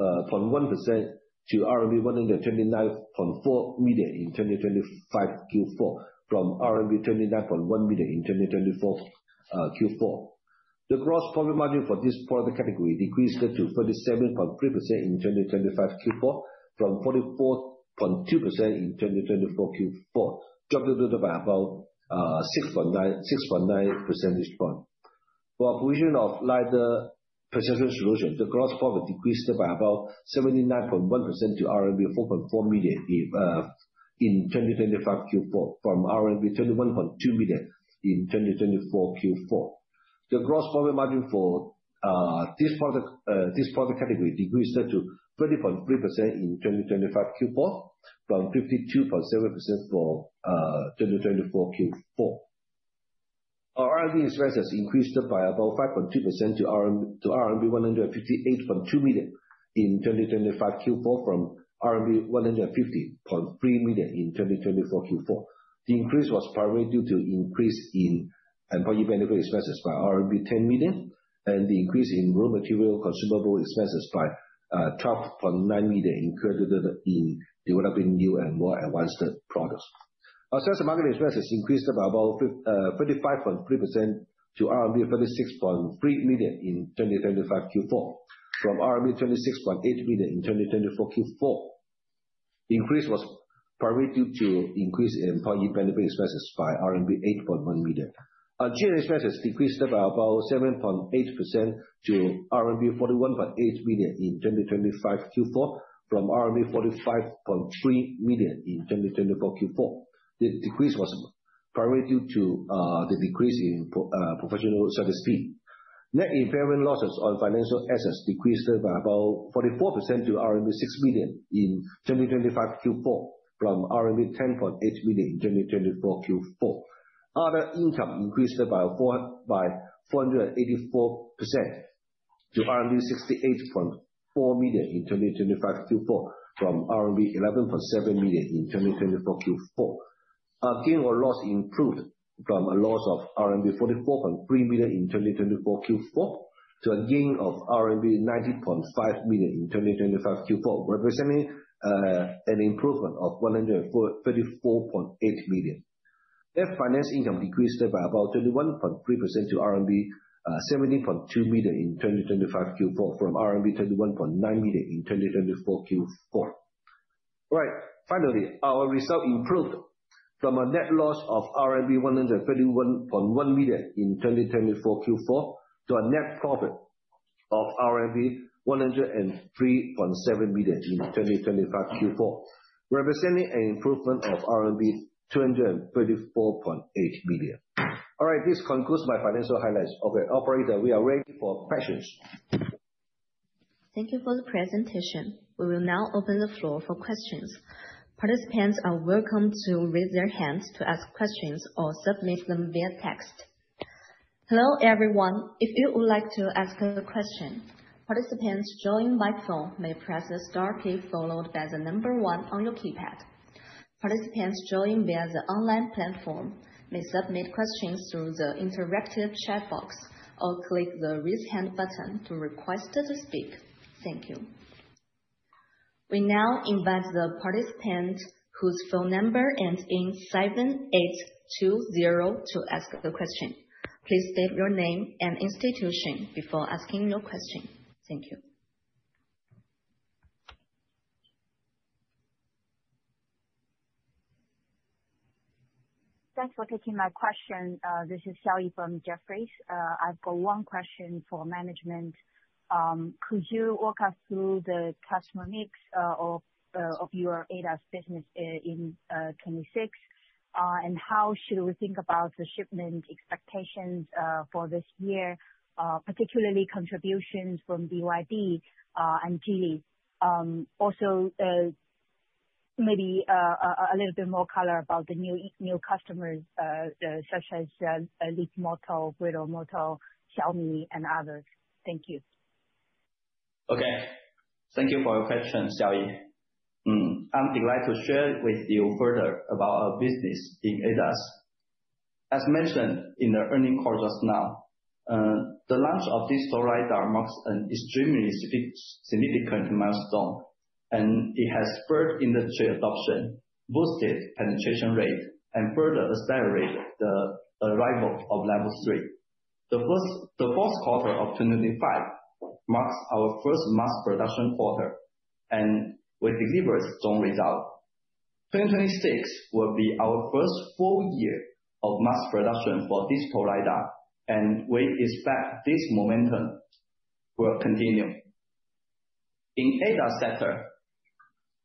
to RMB 129.4 million in 2025 Q4, from RMB 29.1 million in 2024 Q4. The gross profit margin for this product category decreased to 37.3% in 2025 Q4, from 44.2% in 2024 Q4, dropping by about 6.9%. For provision of LiDAR perception solution, the gross profit decreased by about 79.1% to RMB 4.4 million in 2025 Q4, from RMB 21.2 million in 2024 Q4. The gross profit margin for this product category decreased to 20.3% in 2025 Q4, from 52.7% for 2024 Q4. R&D expenses increased by about 5.2% to RMB 158.2 million in 2025 Q4, from RMB 150.3 million in 2024 Q4. The increase was primarily due to increase in employee benefit expenses by RMB 10 million and the increase in raw material consumable expenses by 12.9 million, incurred in developing new and more advanced products. Our sales and marketing expenses increased by about 35.3% to RMB 36.3 million in 2025 Q4, from RMB 26.8 million in 2024 Q4. The increase was primarily due to increase in employee benefit expenses by RMB 8.1 million. Our G&A expenses decreased by about 7.8% to RMB 41.8 million in 2025 Q4, from RMB 45.3 million in 2024 Q4. The decrease was primarily due to the decrease in professional service fee. Net impairment losses on financial assets decreased by about 44% to RMB 6 million in 2025 Q4, from RMB 10.8 million in 2024 Q4. Other income increased by 484% to RMB 68.4 million in 2025 Q4, from RMB 11.7 million in 2024 Q4. Our gain or loss improved from a loss of RMB 44.3 million in 2024 Q4 to a gain of RMB 90.5 million in 2025 Q4, representing an improvement of 134.8 million. Net finance income decreased by about 21.3% to RMB 17.2 million in 2025 Q4 from RMB 21.9 million in 2024 Q4. Right. Finally, our result improved from a net loss of RMB 131.1 million in 2024 Q4 to a net profit of RMB 103.7 million in 2025 Q4, representing an improvement of RMB 234.8 million. All right. This concludes my financial highlights. Okay, operator, we are ready for questions. Thank you for the presentation. We will now open the floor for questions. Participants are welcome to raise their hands to ask questions or submit them via text. Hello, everyone. If you would like to ask a question, participants joining by phone may press the star key followed by the number one on your keypad. Participants joining via the online platform may submit questions through the interactive chat box or click the raise hand button to request to speak. Thank you. We now invite the participant whose phone number ends in 7820 to ask the question. Please state your name and institution before asking your question. Thank you. Thanks for taking my question. This is Xiaoyi from Jefferies. I have got one question for management. Could you walk us through the customer mix of your ADAS business in 2026? How should we think about the shipment expectations for this year, particularly contributions from BYD and Geely. Also, maybe a little bit more color about the new customers such as Leapmotor, Window Motor, Xiaomi, and others. Thank you. Okay. Thank you for your question, Xiaoyi. I'm delighted to share with you further about our business in ADAS. As mentioned in the earning call just now, the launch of this solid-state LiDAR marks an extremely significant milestone. It has spurred industry adoption, boosted penetration rate, and further accelerated the arrival of Level three. The fourth quarter of 2025 marks our first mass production quarter. We delivered a strong result. 2026 will be our first full year of mass production for this solid-state LiDAR. We expect this momentum will continue. In ADAS sector,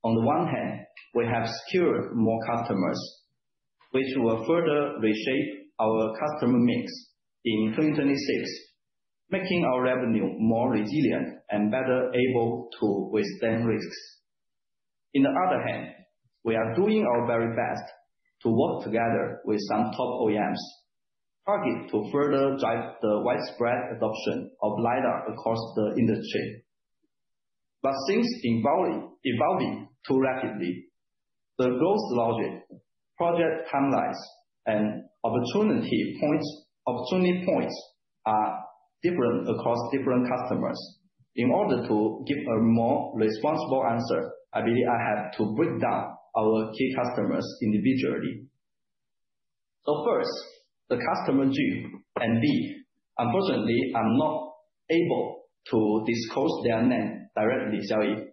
on the one hand, we have secured more customers, which will further reshape our customer mix in 2026, making our revenue more resilient and better able to withstand risks. In the other hand, we are doing our very best to work together with some top OEMs, target to further drive the widespread adoption of LIDAR across the industry. Things evolving too rapidly. The growth logic, project timelines, and opportunity points are different across different customers. In order to give a more responsible answer, I believe I have to break down our key customers individually. First, the customer G and B, unfortunately, I'm not able to disclose their name directly, Xiaoyi.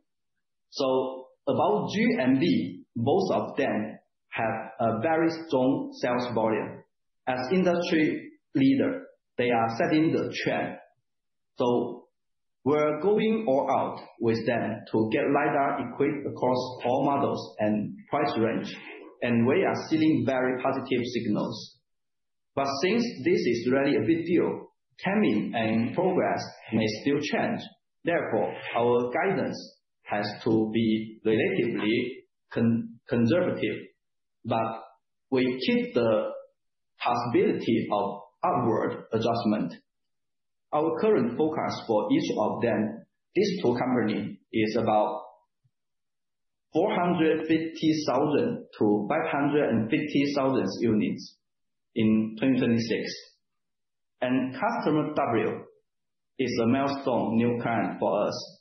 About G and B, both of them have a very strong sales volume. As industry leader, they are setting the trend. We're going all out with them to get LIDAR equipped across all models and price range, and we are seeing very positive signals. Since this is really a big deal, timing and progress may still change. Therefore, our guidance has to be relatively conservative, we keep the possibility of upward adjustment. Our current forecast for each of them, these two companies, is about 450,000 to 550,000 units in 2026. Customer W is a milestone new client for us.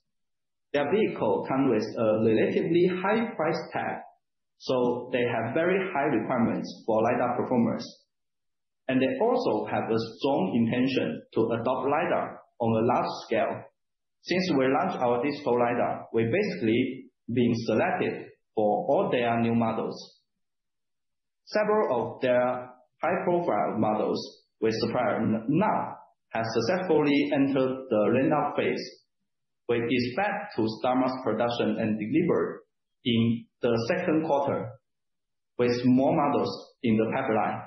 Their vehicle comes with a relatively high price tag, so they have very high requirements for LiDAR performance. They also have a strong intention to adopt LiDAR on a large scale. Since we launched our digital LiDAR, we're basically being selected for all their new models. Several of their high-profile models we supply now have successfully entered the ramp-up phase. We expect to start mass production and delivery in the second quarter, with more models in the pipeline.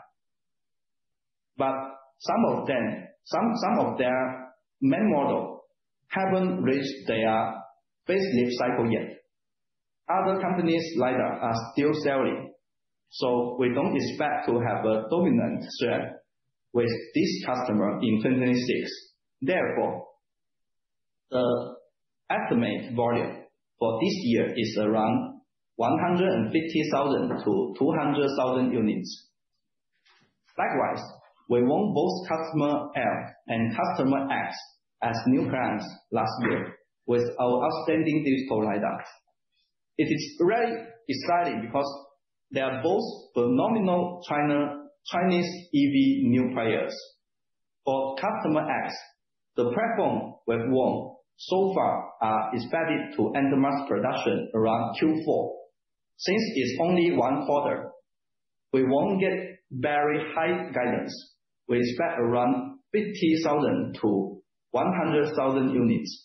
Some of their main models haven't reached their phase lifecycle yet. Other companies' LiDAR are still selling, so we don't expect to have a dominant share with this customer in 2026. The estimated volume for this year is around 150,000-200,000 units. We won both customer L and customer X as new clients last year with our outstanding digital LiDARs. It is really exciting because they are both phenomenal Chinese EV new players. For customer X, the platform we've won so far is expected to enter mass production around Q4. Since it's only one quarter, we won't get very high guidance. We expect around 50,000-100,000 units.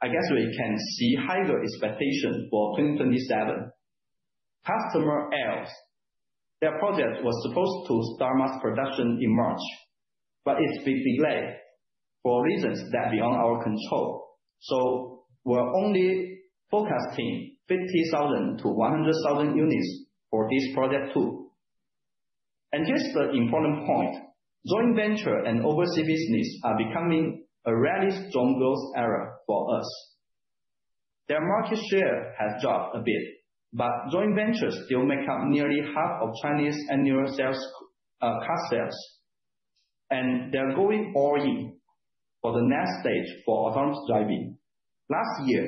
I guess we can see higher expectations for 2027. Customer L, their project was supposed to start mass production in March, it's been delayed for reasons that are beyond our control. We're only forecasting 50,000-100,000 units for this project, too. Here's the important point. Joint venture and overseas business are becoming a really strong growth area for us. Their market share has dropped a bit, but joint ventures still make up nearly half of Chinese annual car sales, and they're going all in for the next stage for autonomous driving. Last year,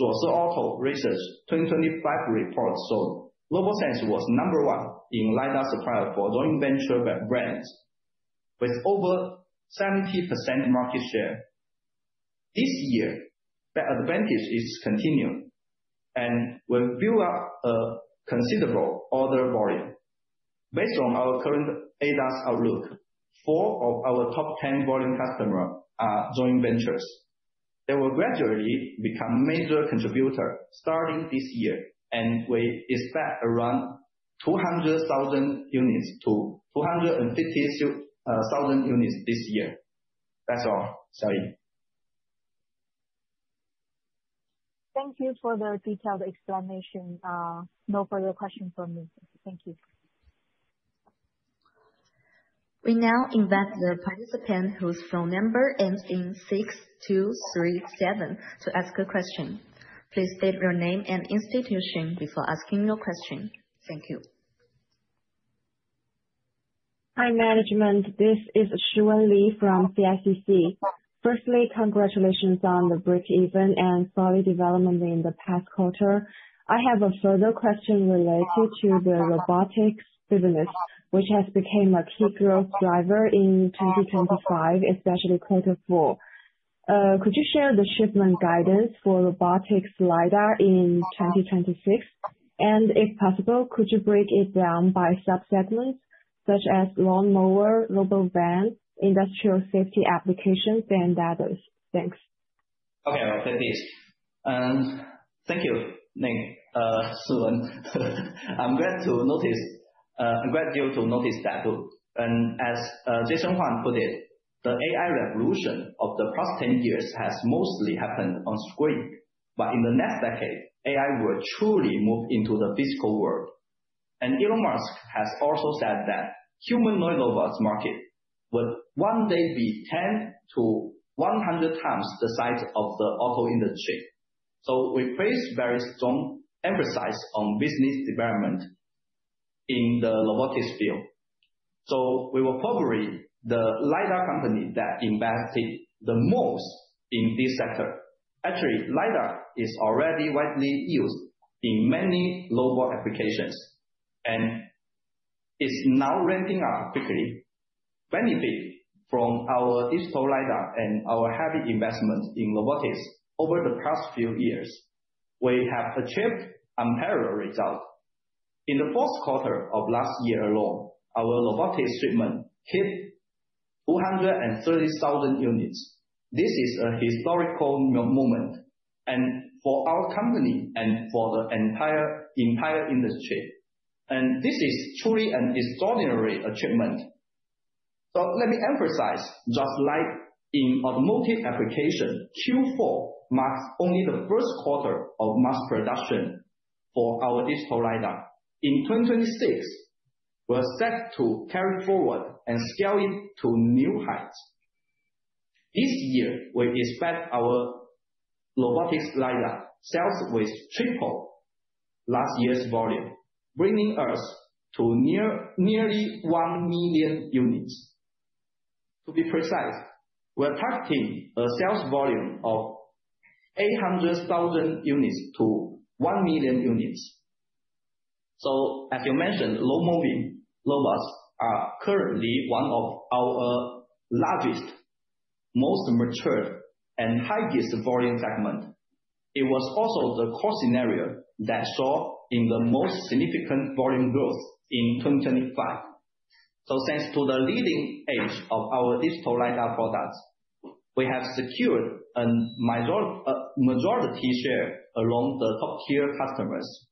Zooz Auto released its 2025 report. RoboSense was number one in LIDAR suppliers for joint venture brands, with over 70% market share. This year, that advantage is continuing, and will build up a considerable order volume. Based on our current ADAS outlook, four of our top 10 volume customers are joint ventures. They will gradually become major contributors starting this year, and we expect around 200,000 units-250,000 units this year. That's all. Thank you. Thank you for the detailed explanation. No further questions from me. Thank you. We now invite the participant whose phone number ends in 6237 to ask a question. Please state your name and institution before asking your question. Thank you. Hi, management. This is Shiwen Li from CICC. Firstly, congratulations on the break-even and solid development in the past quarter. I have a further question related to the robotics business, which has become a key growth driver in 2025, especially Quarter 4. Could you share the shipment guidance for robotics LiDAR in 2026? If possible, could you break it down by sub-segments such as lawnmower, robo-van, industrial safety applications, and others? Thanks. Okay, I will take this. Thank you, Shiwen Li. I'm glad to notice that too. As Jensen Huang put it, the AI revolution of the past 10 years has mostly happened on screen. In the next decade, AI will truly move into the physical world. Elon Musk has also said that the humanoid robots market will one day be 10-100 times the size of the auto industry. We place very strong emphasis on business development in the robotics field. We were probably the LIDAR company that invested the most in this sector. Actually, LIDAR is already widely used in many robot applications, and is now ramping up quickly. Benefiting from our digital LIDAR and our heavy investment in robotics over the past few years, we have achieved unparalleled results. In the fourth quarter of last year alone, our robotics shipment hit 230,000 units. This is a historical moment, and for our company and for the entire industry. This is truly an extraordinary achievement. Let me emphasize, just like in automotive application, Q4 marks only the first quarter of mass production for our digital LiDAR. In 2026, we're set to carry forward and scale it to new heights. This year, we expect our robotics LiDAR sales will triple last year's volume, bringing us to nearly 1 million units. To be precise, we're targeting a sales volume of 800,000 units to one million units. As you mentioned, lawnmowing robots are currently one of our largest, most mature, and highest volume segment. It was also the core scenario that saw in the most significant volume growth in 2025. Thanks to the leading edge of our digital LiDAR products, we have secured a majority share among the top-tier customers.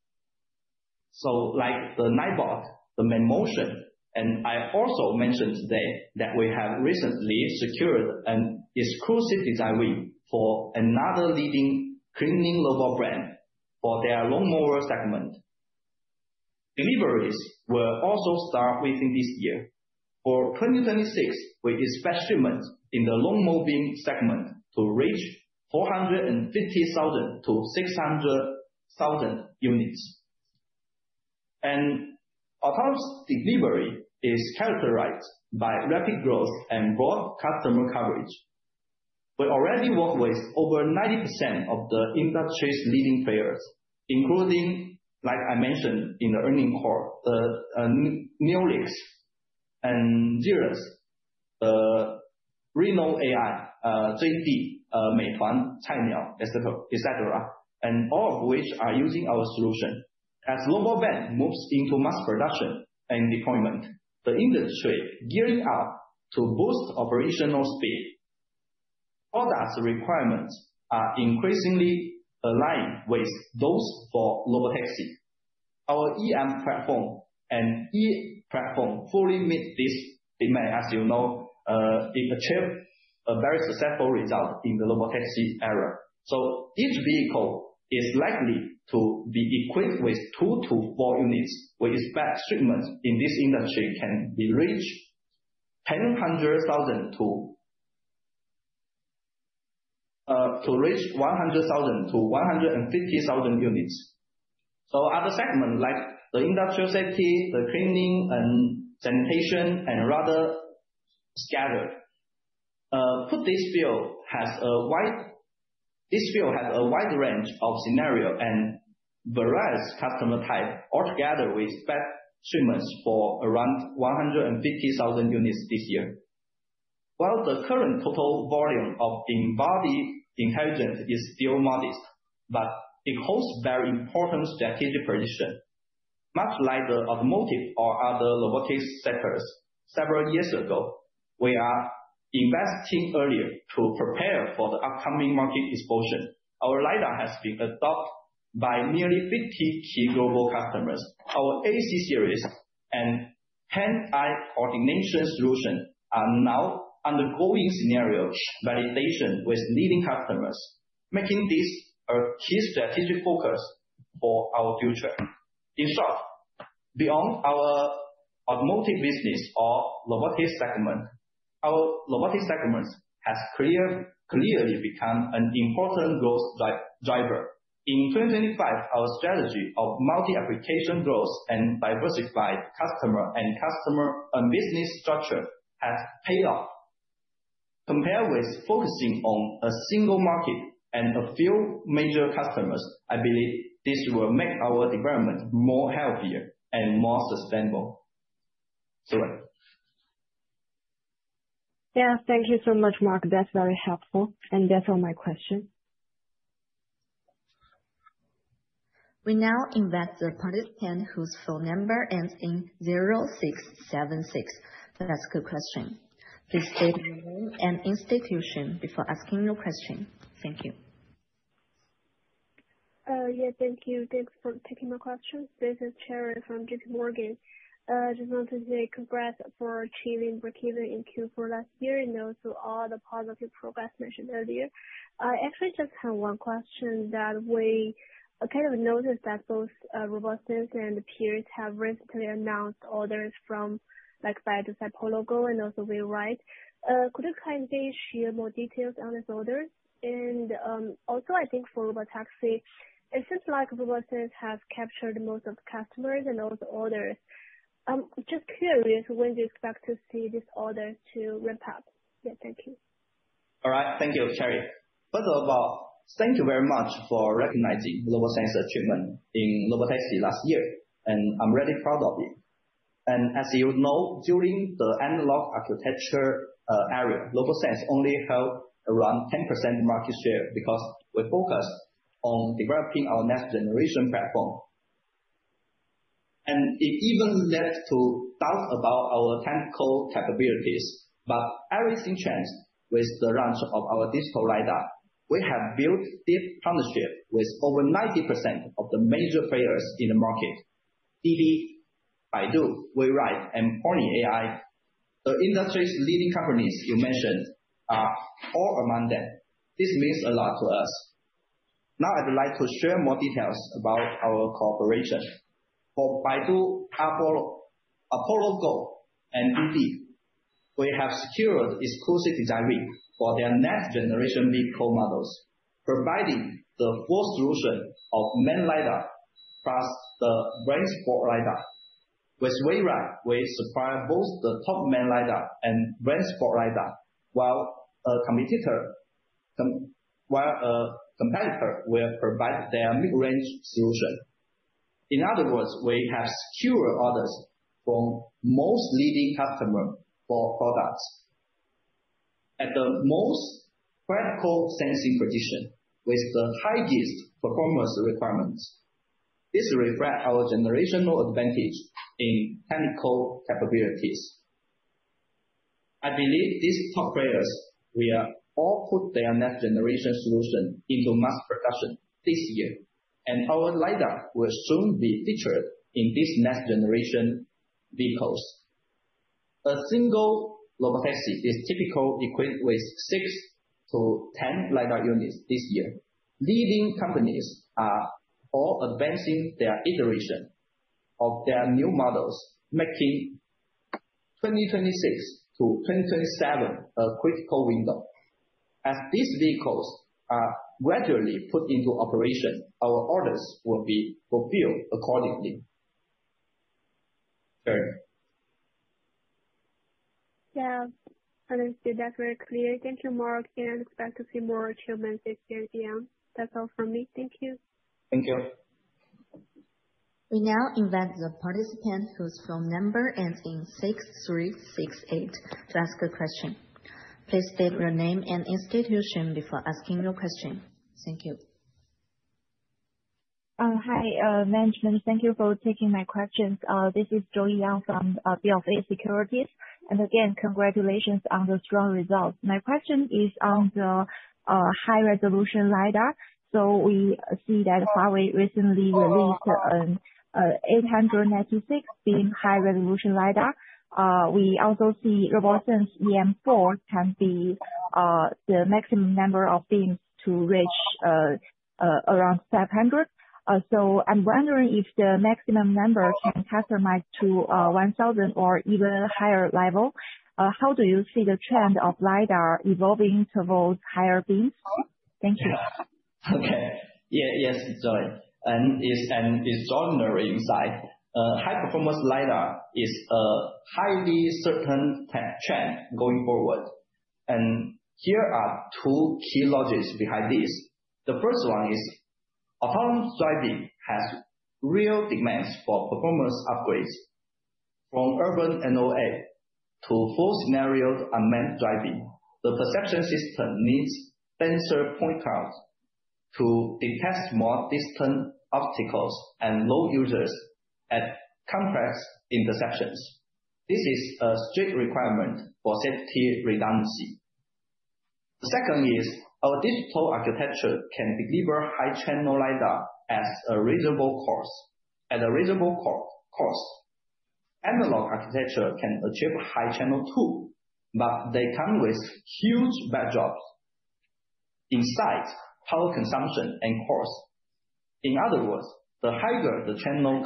Like the Ninebot, the Mammotion, and I also mentioned today that we have recently secured an exclusive design win for another leading cleaning robot brand for their lawnmower segment. Deliveries will also start within this year. For 2026, we expect shipments in the lawnmowing segment to reach 450,000-600,000 units. Autonomous delivery is characterized by rapid growth and broad customer coverage. We already work with over 90% of the industry's leading players, including, like I mentioned in the earning call, the Nuro, Seres, the Reno AI, JD.com, Meituan, Cainiao, et cetera. All of which are using our solution. As robovan moves into mass production and deployment, the industry gearing up to boost operational speed. Products requirements are increasingly aligned with those for robotaxi. Our EM platform and E platform fully meet this demand. As you know, it achieved a very successful result in the robotaxi era. Each vehicle is likely to be equipped with two to four units. We expect shipments in this industry can reach 100,000-150,000 units. Other segments like the industrial safety, the cleaning, and sanitation, and other scattered, this field has a wide range of scenario, and various customer type all together expect shipments for around 150,000 units this year. While the current total volume of in-body intelligence is still modest, but it holds very important strategic position. Much like the automotive or other robotic sectors several years ago, we are investing earlier to prepare for the upcoming market explosion. Our lidar has been adopted by nearly 50 key global customers. Our AC series and hand-eye coordination solution are now undergoing scenario validation with leading customers, making this a key strategic focus for our future. In short, beyond our automotive business or robotic segment, our robotic segment has clearly become an important growth driver. In 2025, our strategy of multi-application growth and diversified customer and business structure has paid off. Compared with focusing on a single market and a few major customers, I believe this will make our development more healthier and more sustainable. It's all right. Yeah. Thank you so much, Mark Qiu. That's very helpful. That's all my question. We now invite the participant whose phone number ends in 0676 to ask a question. Please state your name and institution before asking your question. Thank you. Yeah. Thank you. Thanks for taking my questions. This is Cherry from JP Morgan. Just wanted to say congrats for achieving breakeven in Q4 last year, and also all the positive progress mentioned earlier. I actually just have one question that we kind of noticed that both RoboSense and peers have recently announced orders from like Baidu Apollo Go, and also WeRide. Could you kindly share more details on these orders? Also I think for robotaxi, it seems like robotaxis have captured most of the customers and all the orders. I'm just curious when do you expect to see this order to ramp up? Yeah, thank you. All right. Thank you, Cherry. First of all, thank you very much for recognizing the RoboSense achievement in robotaxi last year, and I'm really proud of it. As you know, during the analog architecture era, RoboSense only held around 10% market share because we focused on developing our next generation platform. It even led to doubts about our technical capabilities. Everything changed with the launch of our digital lidar. We have built deep partnership with over 90% of the major players in the market. Didi, Baidu, Waymo, and Pony.ai, the industry's leading companies you mentioned, are all among them. This means a lot to us. Now, I would like to share more details about our cooperation. For Baidu Apollo Go and Didi, we have secured exclusive design win for their next-generation vehicle models, providing the full solution of main LIDAR plus the range spot LIDAR. With Waymo, we supply both the top main LiDAR and range spot LiDAR, while a competitor will provide their mid-range solution. In other words, we have secured orders from most leading customer for products. At the most practical sensing condition, with the highest performance requirements. This reflects our generational advantage in technical capabilities. I believe these top players will all put their next-generation solution into mass production this year, and our LiDAR will soon be featured in these next-generation vehicles. A single robotaxi is typically equipped with six to 10 LiDAR units this year. Leading companies are all advancing their iteration of their new models, making 2026 to 2027 a critical window. As these vehicles are gradually put into operation, our orders will be fulfilled accordingly, Cherry. I think you did that very clear. Thank you. More again, expect to see more achievements this year, Ye. That's all from me. Thank you. Thank you. We now invite the participant whose phone number ends in 6368 to ask a question. Please state your name and institution before asking your question. Thank you. Hi, management. Thank you for taking my questions. This is Joey Yung from BofA Securities. Again, congratulations on the strong results. My question is on the high-resolution LiDAR. We see that Huawei recently released an 896 beam high-resolution LiDAR. We also see RoboSense EM4 can be the maximum number of beams to reach around 700. I'm wondering if the maximum number can customize to 1,000 or even higher level. How do you see the trend of LiDAR evolving towards higher beams? Thank you. Yes, Joey. It's an extraordinary insight. High-performance LiDAR is a highly certain trend going forward. Here are two key logics behind this. The first one is autonomous driving has real demands for performance upgrades. From urban NOA to full scenario unmanned driving, the perception system needs denser point clouds to detect more distant obstacles and road users at complex intersections. This is a strict requirement for safety redundancy. The second is our digital architecture can deliver high-channel LiDAR as a reasonable course, at a reasonable cost. Analog architecture can achieve high-channel too, but they come with huge trade-offs in size, power consumption, and cost. In other words, the higher the channel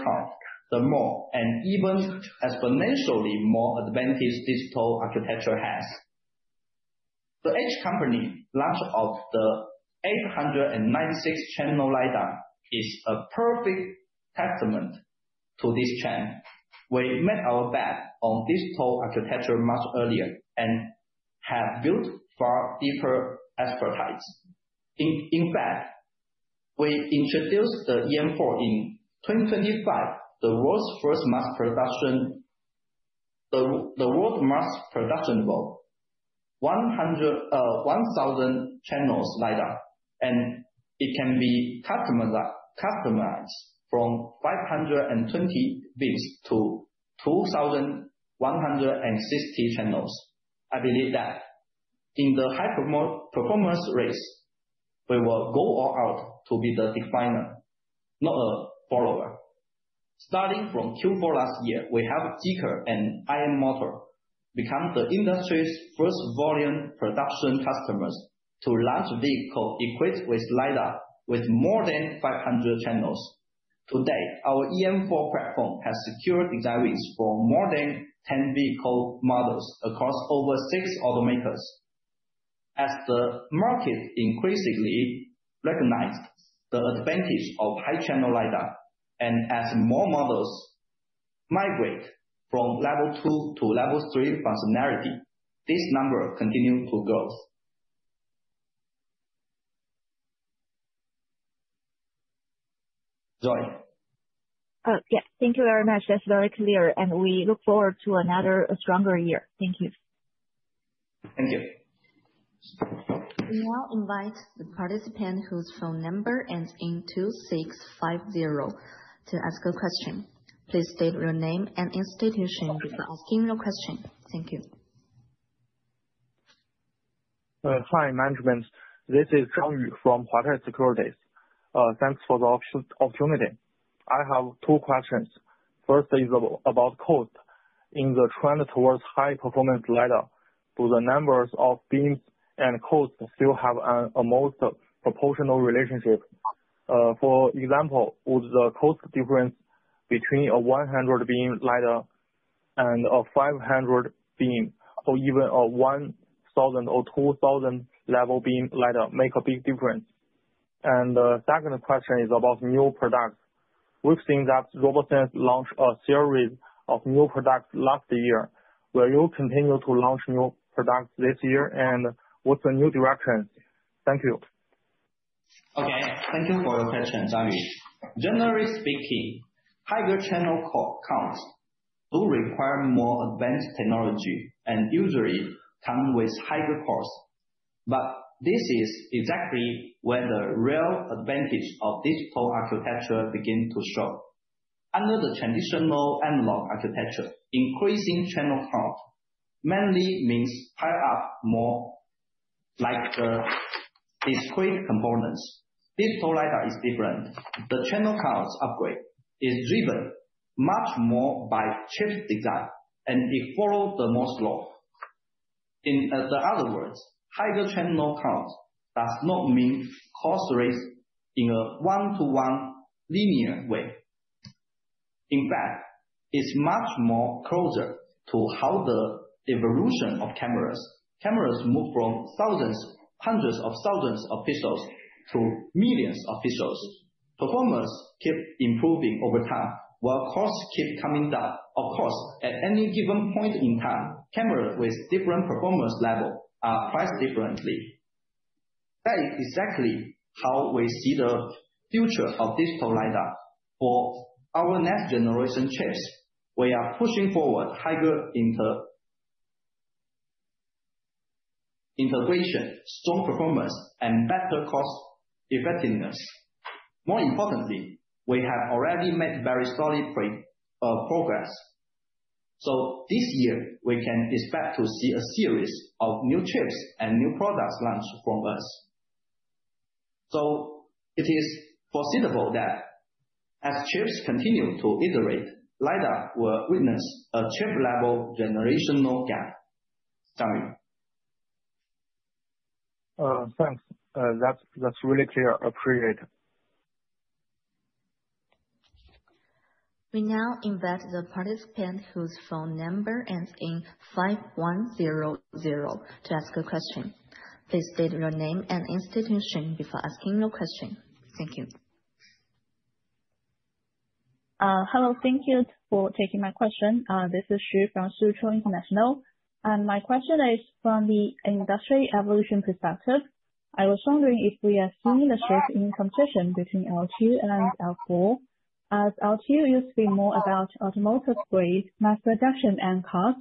count, the more, and even exponentially more advantage digital architecture has. The Huawei launch of the 896-channel LiDAR is a perfect testament to this trend. We made our bet on digital architecture much earlier and have built far deeper expertise. In fact, we introduced the EM4 in 2025, the world's first mass production of 1,000-channels LiDAR, and it can be customized from 520 beams to 2,160 channels. I believe that in the high-performance race, we will go all out to be the definer, not a follower. Starting from Q4 last year, we helped Zeekr and IM Motors become the industry's first volume production customers to launch vehicle equipped with LiDAR with more than 500 channels. To date, our EM4 platform has secured designs for more than 10 vehicle models across over six automakers. As the market increasingly recognizes the advantage of high-channel LiDAR, and as more models migrate from level two to level three functionality, this number continues to grow. Joey. Yeah. Thank you very much. That's very clear, and we look forward to another stronger year. Thank you. Thank you. We now invite the participant whose phone number ends in 2650 to ask a question. Please state your name and institution before asking your question. Thank you. Hi, management. This is Zhang Yu from Huaxin Securities. Thanks for the opportunity. I have two questions. First is about cost in the trend towards high performance LiDAR to the numbers of beams and cost still have a most proportional relationship. For example, would the cost difference between a 100-beam LiDAR and a 500-beam or even a 1,000 or 2,000-level beam LiDAR make a big difference? The second question is about new products. We've seen that RoboSense launched a series of new products last year. Will you continue to launch new products this year, and what's the new direction? Thank you. Okay. Thank you for your question, Zhang Yu. Generally speaking, higher channel counts do require more advanced technology and usually come with higher costs. This is exactly where the real advantage of digital architecture begins to show. Under the traditional analog architecture, increasing channel count mainly means pile up more like the discrete components. Digital LiDAR is different. The channel count upgrade is driven much more by chip design, and it follows Moore's law. In other words, higher channel count does not mean cost rise in a one-to-one linear way. In fact, it's much more closer to how the evolution of cameras. Cameras move from hundreds of thousands of pixels to millions of pixels. Performance keep improving over time, while costs keep coming down. Of course, at any given point in time, cameras with different performance level are priced differently. That is exactly how we see the future of digital LiDAR. For our next generation chips, we are pushing forward higher integration, strong performance, and better cost effectiveness. More importantly, we have already made very solid progress. This year, we can expect to see a series of new chips and new products launched from us. It is foreseeable that as chips continue to iterate, LiDAR will witness a chip-level generational gap. Zhang Yu. Thanks. That's really clear. Appreciate it. We now invite the participant whose phone number ends in 5100 to ask a question. Please state your name and institution before asking your question. Thank you. Hello. Thank you for taking my question. This is Xu from Soochow International. My question is from the industry evolution perspective. I was wondering if we are seeing a shift in competition between L2 and L4. As L2 used to be more about automotive-grade mass production and cost,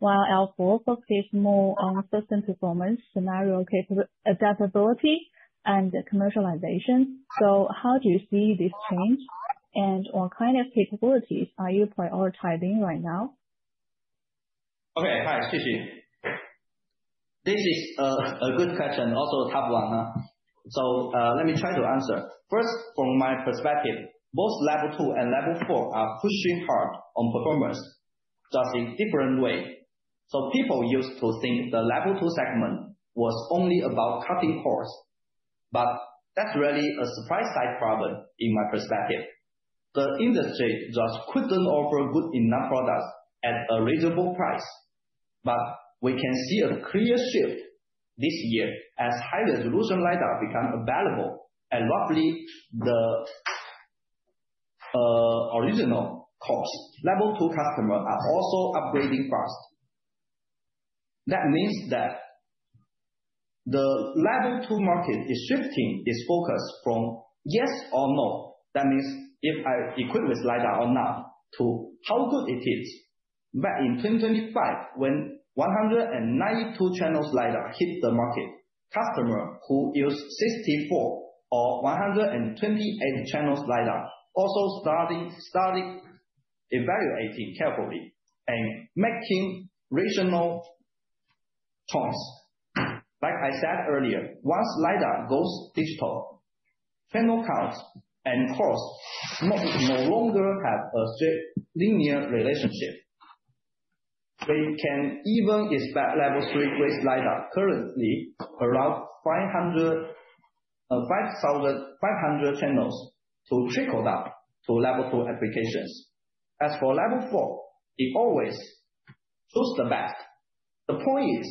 while L4 focuses more on system performance, scenario capability, adaptability, and commercialization. How do you see this change, and what kind of capabilities are you prioritizing right now? Okay. Hi, Xu. This is a good question, also a tough one. Let me try to answer. First, from my perspective, both Level two and Level four are pushing hard on performance, just in different ways. People used to think the Level two segment was only about cutting costs, that's really a supply-side problem in my perspective. The industry just couldn't offer good enough products at a reasonable price. We can see a clear shift this year as high-resolution LIDAR become available at roughly the, original cost. Level two customers are also upgrading fast. That means that the Level two market is shifting its focus from yes or no, that means if I equip with LIDAR or not, to how good it is. Back in 2025, when 192-channel LiDAR hit the market, customers who use 64 or 128-channel LiDAR also started evaluating carefully and making rational choices. Like I said earlier, once LiDAR goes digital, channel counts and cost no longer have a strict linear relationship. We can even expect level three grade LiDAR currently around 5,500 channels to trickle down to level two applications. For level four, it always choose the best. The point is,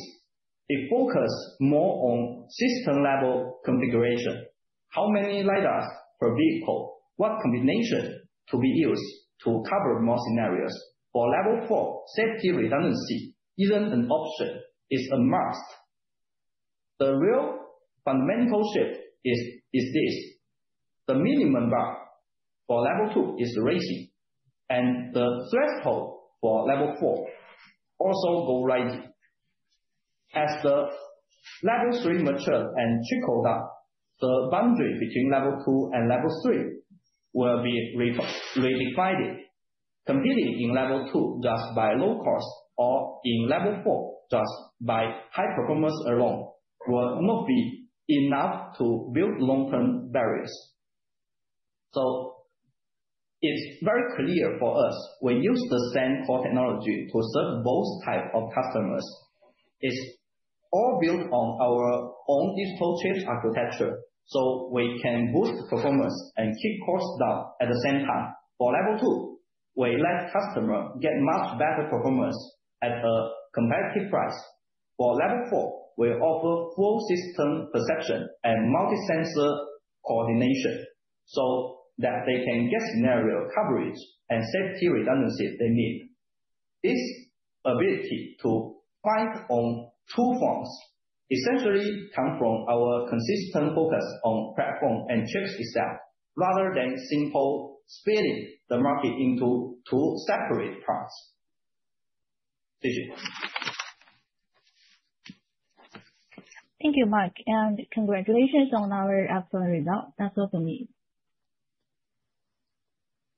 they focus more on system-level configuration. How many LiDARs per vehicle? What combination to be used to cover more scenarios? For level four, safety redundancy isn't an option, it's a must. The real fundamental shift is this. The minimum bar for level two is rising, the threshold for level four also go rising. As the level three matures and trickle down, the boundary between level two and level three will be redefined. Competing in level two just by low cost or in level four just by high performance alone will not be enough to build long-term barriers. It's very clear for us, we use the same core technology to serve both types of customers. It's all built on our own digital chips architecture, so we can boost performance and keep costs down at the same time. For level two, we let customer get much better performance at a competitive price. For level four, we offer full system perception and multi-sensor coordination so that they can get scenario coverage and safety redundancy they need. This ability to fight on two fronts essentially come from our consistent focus on platform and chips itself, rather than simple splitting the market into two separate parts. Thank you. Thank you, Mark, and congratulations on our excellent result. That's all for me.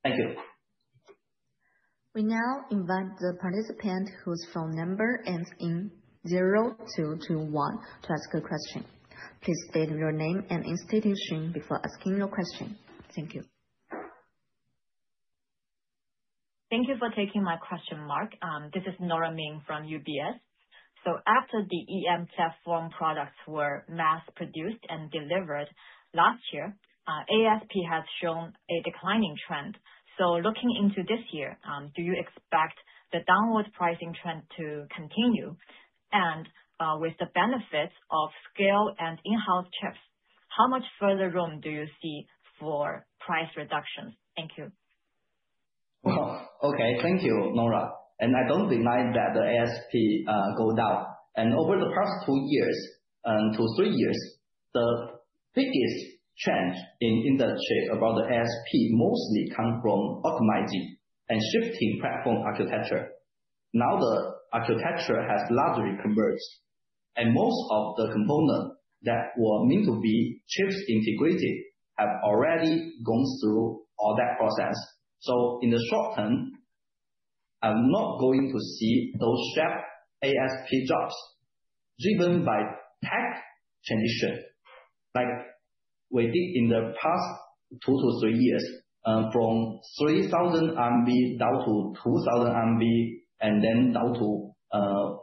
Thank you. We now invite the participant whose phone number ends in zero to ask a question. Please state your name and institution before asking your question. Thank you. Thank you for taking my question, Mark Qiu. This is Nora Min from UBS. After the EM platform products were mass produced and delivered last year, ASP has shown a declining trend. Looking into this year, do you expect the downward pricing trend to continue? With the benefits of scale and in-house chips, how much further room do you see for price reductions? Thank you. Wow. Okay. Thank you, Nora. I don't deny that the ASP go down. Over the past two years to three years, the biggest change in industry about the ASP mostly come from optimizing and shifting platform architecture. Now the architecture has largely converged, and most of the components that were meant to be chips integrated have already gone through all that process. In the short term, I'm not going to see those sharp ASP drops driven by tech transition like we did in the past two to three years, from 3,000 down to 2,000 and then down to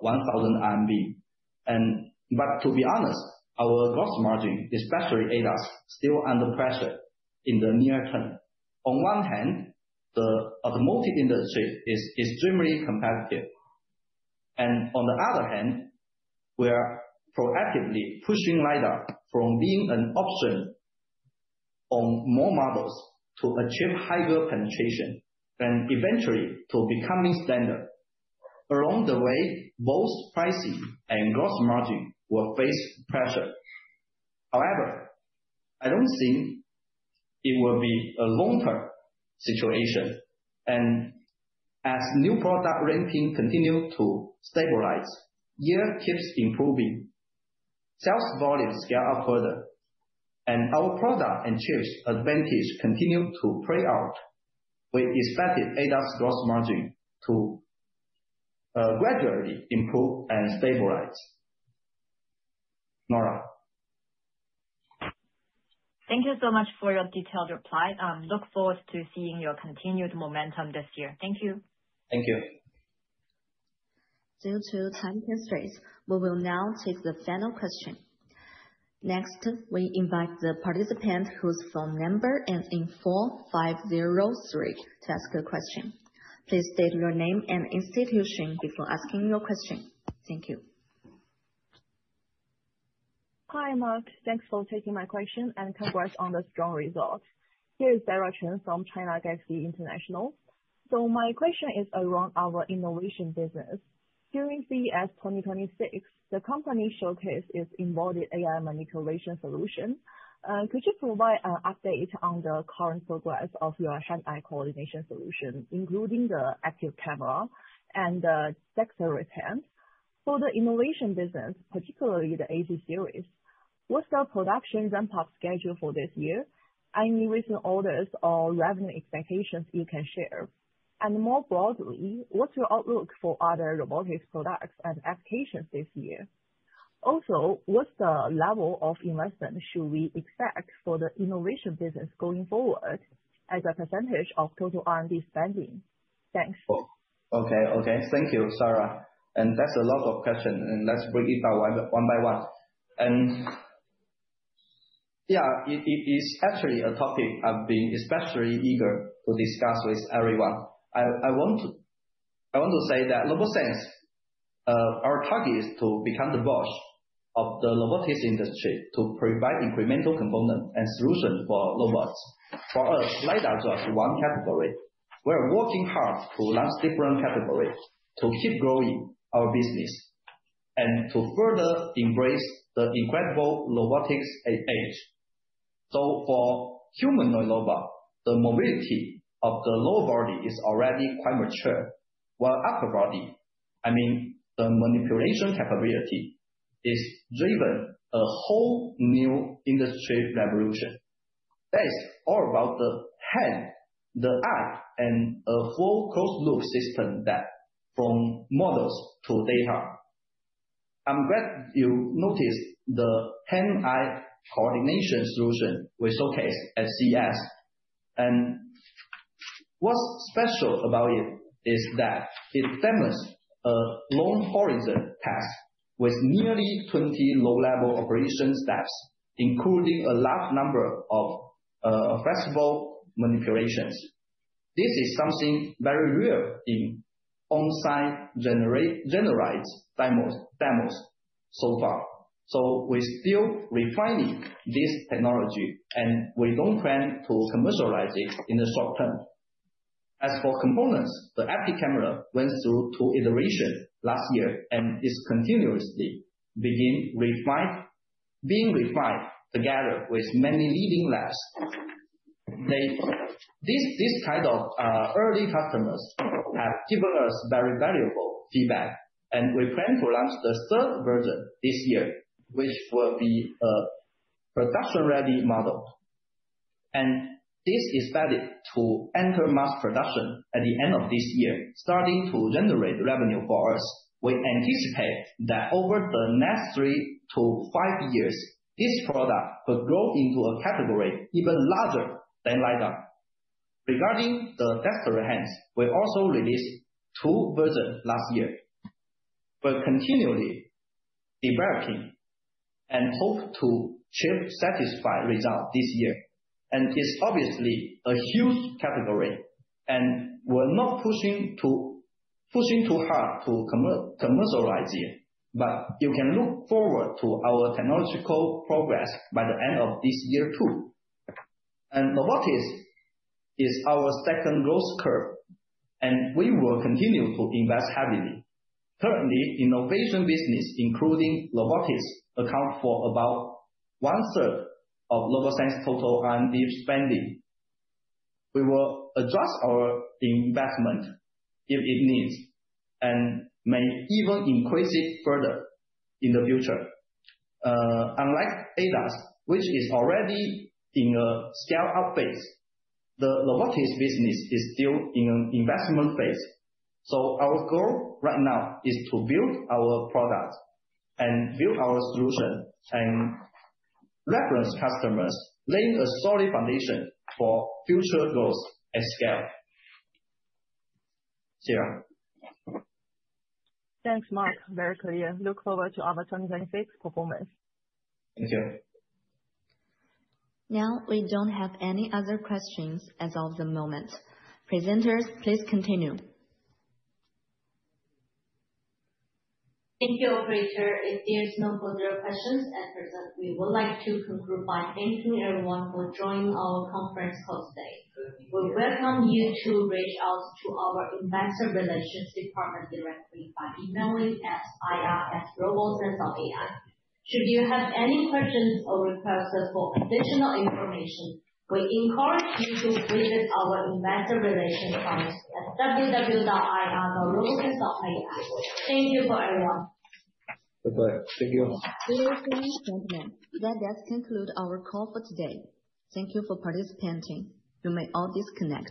1,000. To be honest, our gross margin, especially ADAS, still under pressure in the near term. On one hand, the automotive industry is extremely competitive. On the other hand, we are proactively pushing LiDAR from being an option on more models to achieve higher penetration, and eventually to becoming standard. Along the way, both pricing and gross margin will face pressure. However, I don't think it will be a long-term situation. As new product ramping continue to stabilize, year keeps improving, sales volumes scale up further, and our product and chips advantage continue to play out, we expected ADAS gross margin to gradually improve and stabilize. Nora. Thank you so much for your detailed reply. Look forward to seeing your continued momentum this year. Thank you. Thank you. Due to time constraints, we will now take the final question. We invite the participant whose phone number ends in 4503 to ask a question. Please state your name and institution before asking your question. Thank you. Hi, Mark. Thanks for taking my question, and congrats on the strong results. Here is Sarah Chen from China Galaxy International. My question is around our innovation business. During CES 2026, the company showcased its embodied AI manipulation solution. Could you provide an update on the current progress of your hand-eye coordination solution, including the Active Camera and the Dexterous Hand? For the innovation business, particularly the AC series, what's the production ramp-up schedule for this year? Any recent orders or revenue expectations you can share? More broadly, what's your outlook for other robotics products and applications this year? Also, what's the level of investment should we expect for the innovation business going forward as a percentage of total R&D spending? Thanks. Okay. Thank you, Sarah. That's a lot of questions, and let's break it down one by one. Yeah, it is actually a topic I've been especially eager to discuss with everyone. I want to say that RoboSense, our target is to become the boss of the robotics industry to provide incremental components and solutions for robots. For us, LiDAR is just one category. We are working hard to launch different categories to keep growing our business and to further embrace the incredible robotics age. For humanoid robot, the mobility of the lower body is already quite mature, while upper body, I mean the manipulation capability is driven a whole new industry revolution. That is all about the hand, the eye, and a full closed loop system that from models to data. I'm glad you noticed the hand-eye coordination solution we showcased at CES. What's special about it is that it demonstrates a long horizon task with nearly 20 low-level operation steps, including a large number of flexible manipulations. This is something very rare in on-site generalized demos so far. We're still refining this technology, and we don't plan to commercialize it in the short term. As for components, the Active Camera went through two iterations last year and is continuously being refined together with many leading labs. These kind of early customers have given us very valuable feedback, and we plan to launch the third version this year, which will be a production-ready model. This is valid to enter mass production at the end of this year, starting to generate revenue for us. We anticipate that over the next three to five years, this product will grow into a category even larger than LiDAR. Regarding the Dexterous Hand, we also released two versions last year. We're continually developing and hope to ship satisfied results this year. It's obviously a huge category, and we're not pushing too hard to commercialize it. You can look forward to our technological progress by the end of this year, too. Robotics is our second growth curve, and we will continue to invest heavily. Currently, innovation business, including robotics, accounts for about one-third of RoboSense total R&D spending. We will adjust our investment if it needs, and may even increase it further in the future. Unlike ADAS, which is already in a scale-up phase, the robotics business is still in an investment phase. Our goal right now is to build our product and build our solution, and reference customers lay a solid foundation for future growth and scale, Sarah. Thanks, Mark. Very clear. Look forward to our 2026 performance. Thank you. We don't have any other questions as of the moment. Presenters, please continue. Thank you, operator. If there are no further questions, presenters, we would like to conclude by thanking everyone for joining our conference call today. We welcome you to reach out to our investor relations department directly by emailing us at ir@robosense.ai. Should you have any questions or requests for additional information, we encourage you to visit our investor relations page at www.ir.robosense.ai. Thank you for everyone. Bye-bye. Thank you. Dear attendees, gentlemen, that does conclude our call for today. Thank you for participating. You may all disconnect.